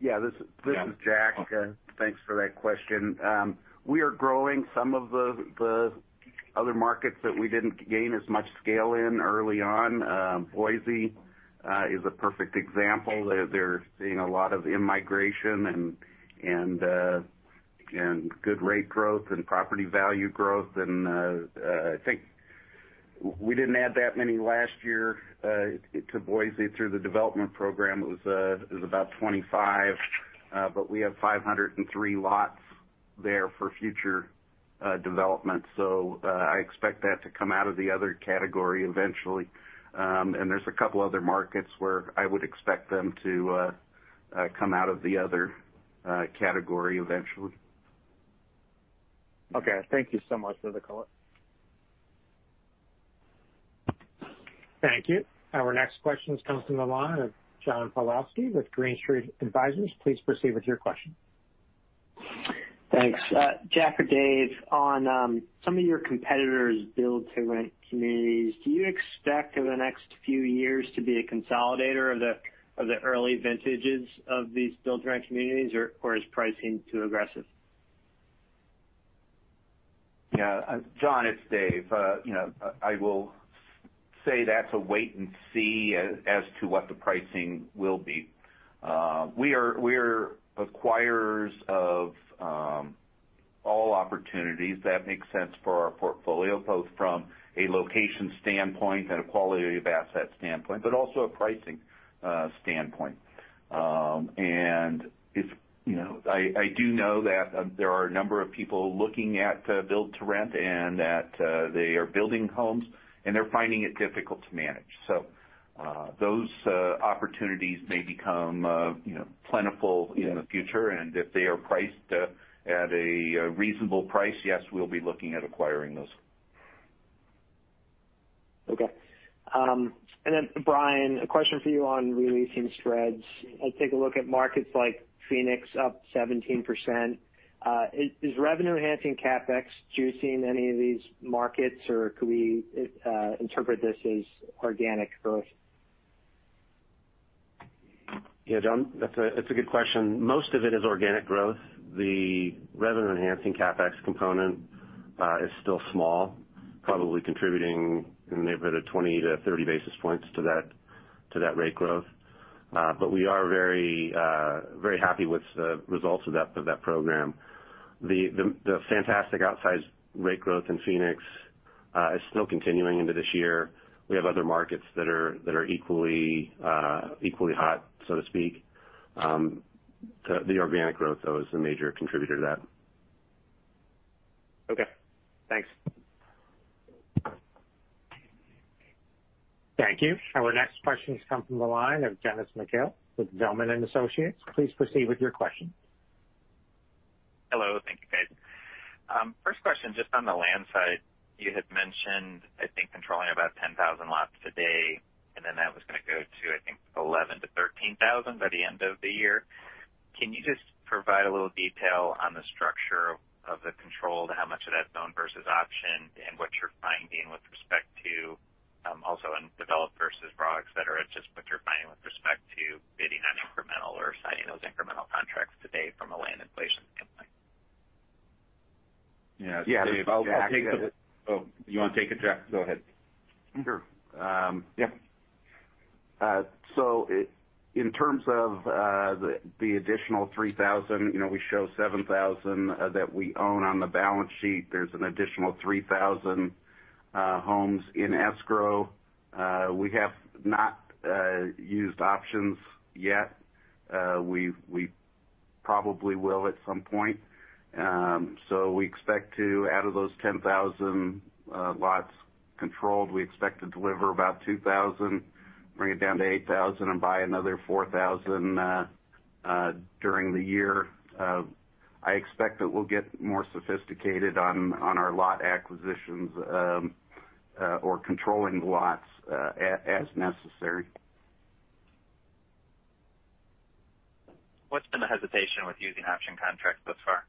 E: Yeah. This is Jack. Thanks for that question. We are growing some of the other markets that we didn't gain as much scale in early on. Boise is a perfect example. They're seeing a lot of in-migration and good rate growth and property value growth. I think we didn't add that many last year to Boise through the development program. It was about 25. We have 503 lots there for future development. I expect that to come out of the other category eventually. There's a couple of other markets where I would expect them to come out of the other category eventually.
N: Okay. Thank you so much for the color.
A: Thank you. Our next question comes from the line of John Pawlowski with Green Street Advisors. Please proceed with your question.
O: Thanks. Jack or Dave, on some of your competitors' build-to-rent communities, do you expect over the next few years to be a consolidator of the early vintages of these build-to-rent communities, or is pricing too aggressive?
C: Yeah. John, it's Dave. I will say that's a wait and see as to what the pricing will be. We are acquirers of all opportunities that makes sense for our portfolio, both from a location standpoint and a quality of asset standpoint, but also a pricing standpoint. I do know that there are a number of people looking at build-to-rent, and that they are building homes, and they're finding it difficult to manage. Those opportunities may become plentiful in the future. If they are priced at a reasonable price, yes, we'll be looking at acquiring those.
O: Okay. Bryan, a question for you on re-leasing spreads. I take a look at markets like Phoenix up 17%. Is revenue enhancing CapEx juicing any of these markets, or could we interpret this as organic growth?
D: Yeah, John, that's a good question. Most of it is organic growth. The revenue-enhancing CapEx component is still small, probably contributing in the neighborhood of 20-30 basis points to that rate growth. We are very happy with the results of that program. The fantastic outsized rate growth in Phoenix is still continuing into this year. We have other markets that are equally hot, so to speak. The organic growth, though, is the major contributor to that.
O: Okay, thanks.
A: Thank you. Our next question has come from the line of Dennis McGill with Zelman & Associates. Please proceed with your question.
P: Hello. Thank you, guys. First question, just on the land side. You had mentioned, I think, controlling about 10,000 lots today, and then that was going to go to, I think, 11,000 to 13,000 by the end of the year. Can you just provide a little detail on the structure of the controlled, how much of that's owned versus optioned, and what you're finding with respect to-- also in developed versus raw, et cetera, just what you're finding with respect to bidding on incremental or signing those incremental contracts to date from a land inflation standpoint?
E: Yeah. Dave-
C: You want to take it, Jack? Go ahead.
E: Sure. Yeah. In terms of the additional 3,000, we show 7,000 that we own on the balance sheet. There's an additional 3,000 homes in escrow. We have not used options yet. We probably will at some point. We expect to, out of those 10,000 lots controlled, we expect to deliver about 2,000, bring it down to 8,000, and buy another 4,000 during the year. I expect that we'll get more sophisticated on our lot acquisitions or controlling lots as necessary.
P: What's been the hesitation with using option contracts thus far?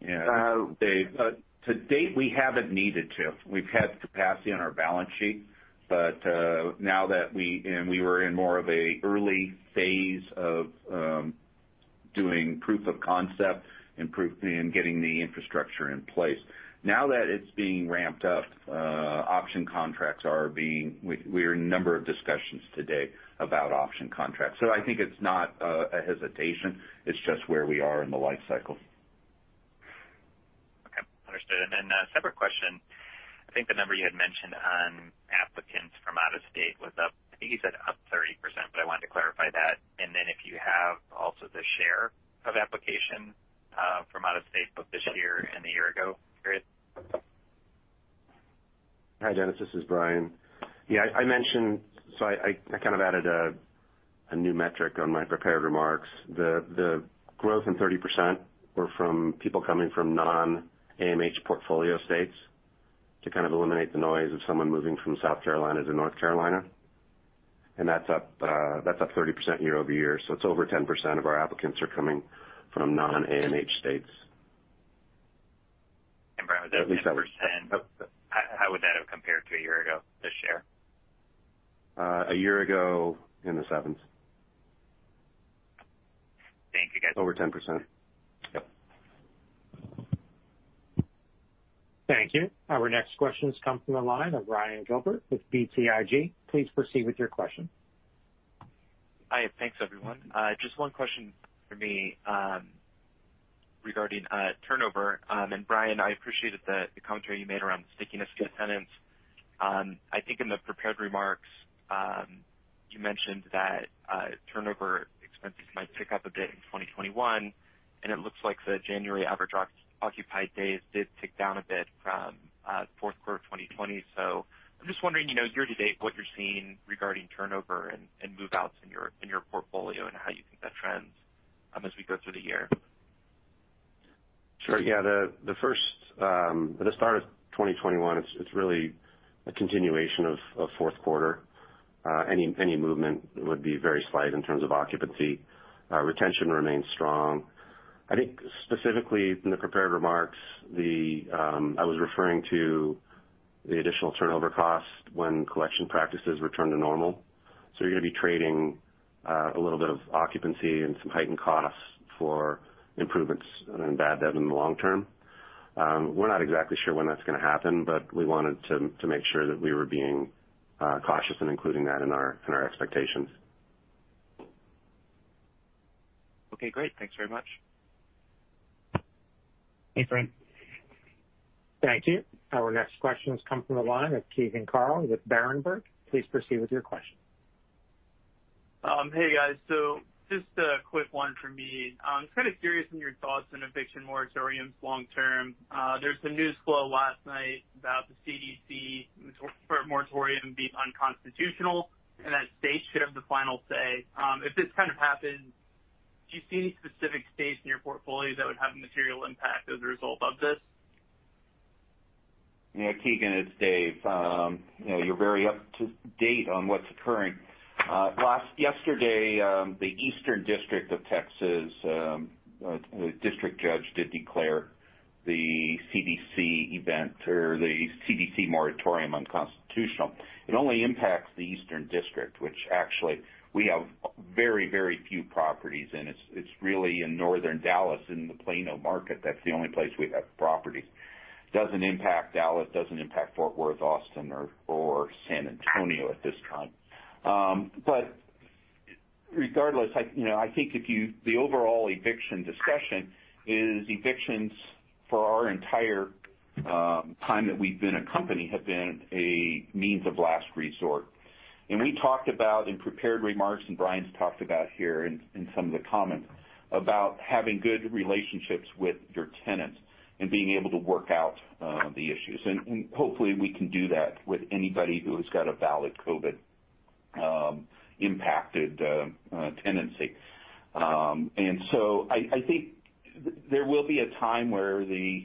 E: Yeah. Dave-
C: To date, we haven't needed to. We've had capacity on our balance sheet. Now that we were in more of an early phase of doing proof of concept and getting the infrastructure in place. Now that it's being ramped up, we are in a number of discussions today about option contracts. I think it's not a hesitation. It's just where we are in the life cycle.
P: A separate question. I think the number you had mentioned on applicants from out of state was up, I think you said up 30%, but I wanted to clarify that. If you have also the share of application from out of state both this year and the year ago period.
D: Hi, Dennis. This is Bryan. Yeah, I kind of added a new metric on my prepared remarks. The growth in 30% were from people coming from non-AMH portfolio states to kind of eliminate the noise of someone moving from South Carolina to North Carolina. That's up 30% year-over-year, so it's over 10% of our applicants are coming from non-AMH states.
P: How would that have compared to a year ago, the share?
D: A year ago, in the sevens.
P: Thank you, guys.
D: Over 10%.
A: Thank you. Our next question comes from the line of Ryan Gilbert with BTIG. Please proceed with your question.
Q: Hi. Thanks, everyone. Just one question for me regarding turnover. Bryan, I appreciated the commentary you made around stickiness of tenants. I think in the prepared remarks, you mentioned that turnover expenses might tick up a bit in 2021, and it looks like the January average occupied days did tick down a bit from Q4 2020. I'm just wondering, year to date, what you're seeing regarding turnover and move-outs in your portfolio, and how you think that trends as we go through the year.
D: Sure, yeah. The start of 2021, it's really a continuation of Q4. Any movement would be very slight in terms of occupancy. Retention remains strong. I think specifically in the prepared remarks, I was referring to the additional turnover cost when collection practices return to normal. You're going to be trading a little bit of occupancy and some heightened costs for improvements in bad debt in the long term. We're not exactly sure when that's going to happen, but we wanted to make sure that we were being cautious and including that in our expectations.
Q: Okay, great. Thanks very much.
A: Thank you. Our next question comes from the line of Keegan Carl with Berenberg. Please proceed with your question.
R: Hey, guys. Just a quick one for me. I'm kind of curious on your thoughts on eviction moratoriums long term. There's been news flow last night about the CDC moratorium being unconstitutional, and that states should have the final say. If this kind of happens, do you see any specific states in your portfolio that would have a material impact as a result of this?
C: Yeah, Keegan, it's David. You're very up to date on what's occurring. Yesterday, the Eastern District of Texas district judge did declare the CDC moratorium unconstitutional. It only impacts the Eastern District, which actually we have very few properties in. It's really in northern Dallas in the Plano market. That's the only place we have properties. Doesn't impact Dallas, doesn't impact Fort Worth, Austin, or San Antonio at this time. Regardless, I think the overall eviction discussion is evictions for our entire time that we've been a company have been a means of last resort. We talked about in prepared remarks, and Bryan's talked about here in some of the comments about having good relationships with your tenants and being able to work out the issues. Hopefully we can do that with anybody who has got a valid COVID-impacted tenancy. I think there will be a time where the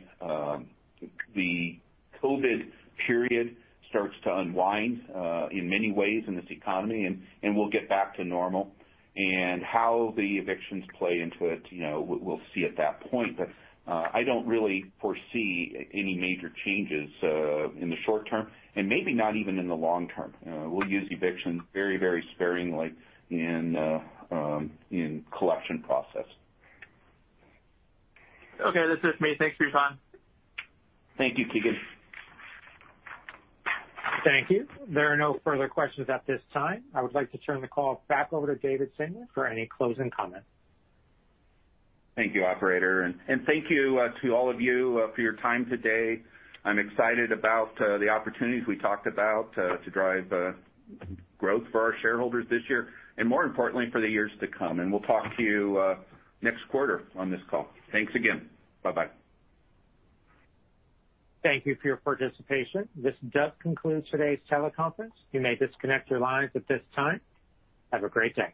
C: COVID period starts to unwind in many ways in this economy, and we'll get back to normal. How the evictions play into it, we'll see at that point. I don't really foresee any major changes in the short term, and maybe not even in the long term. We'll use eviction very sparingly in collection process.
R: Okay. This is me. Thanks for your time.
C: Thank you, Keegan.
A: Thank you. There are no further questions at this time. I would like to turn the call back over to David Singelyn for any closing comments.
C: Thank you, operator. Thank you to all of you for your time today. I'm excited about the opportunities we talked about to drive growth for our shareholders this year, and more importantly, for the years to come. We'll talk to you next quarter on this call. Thanks again. Bye-bye.
A: Thank you for your participation. This does conclude today's teleconference. You may disconnect your lines at this time. Have a great day.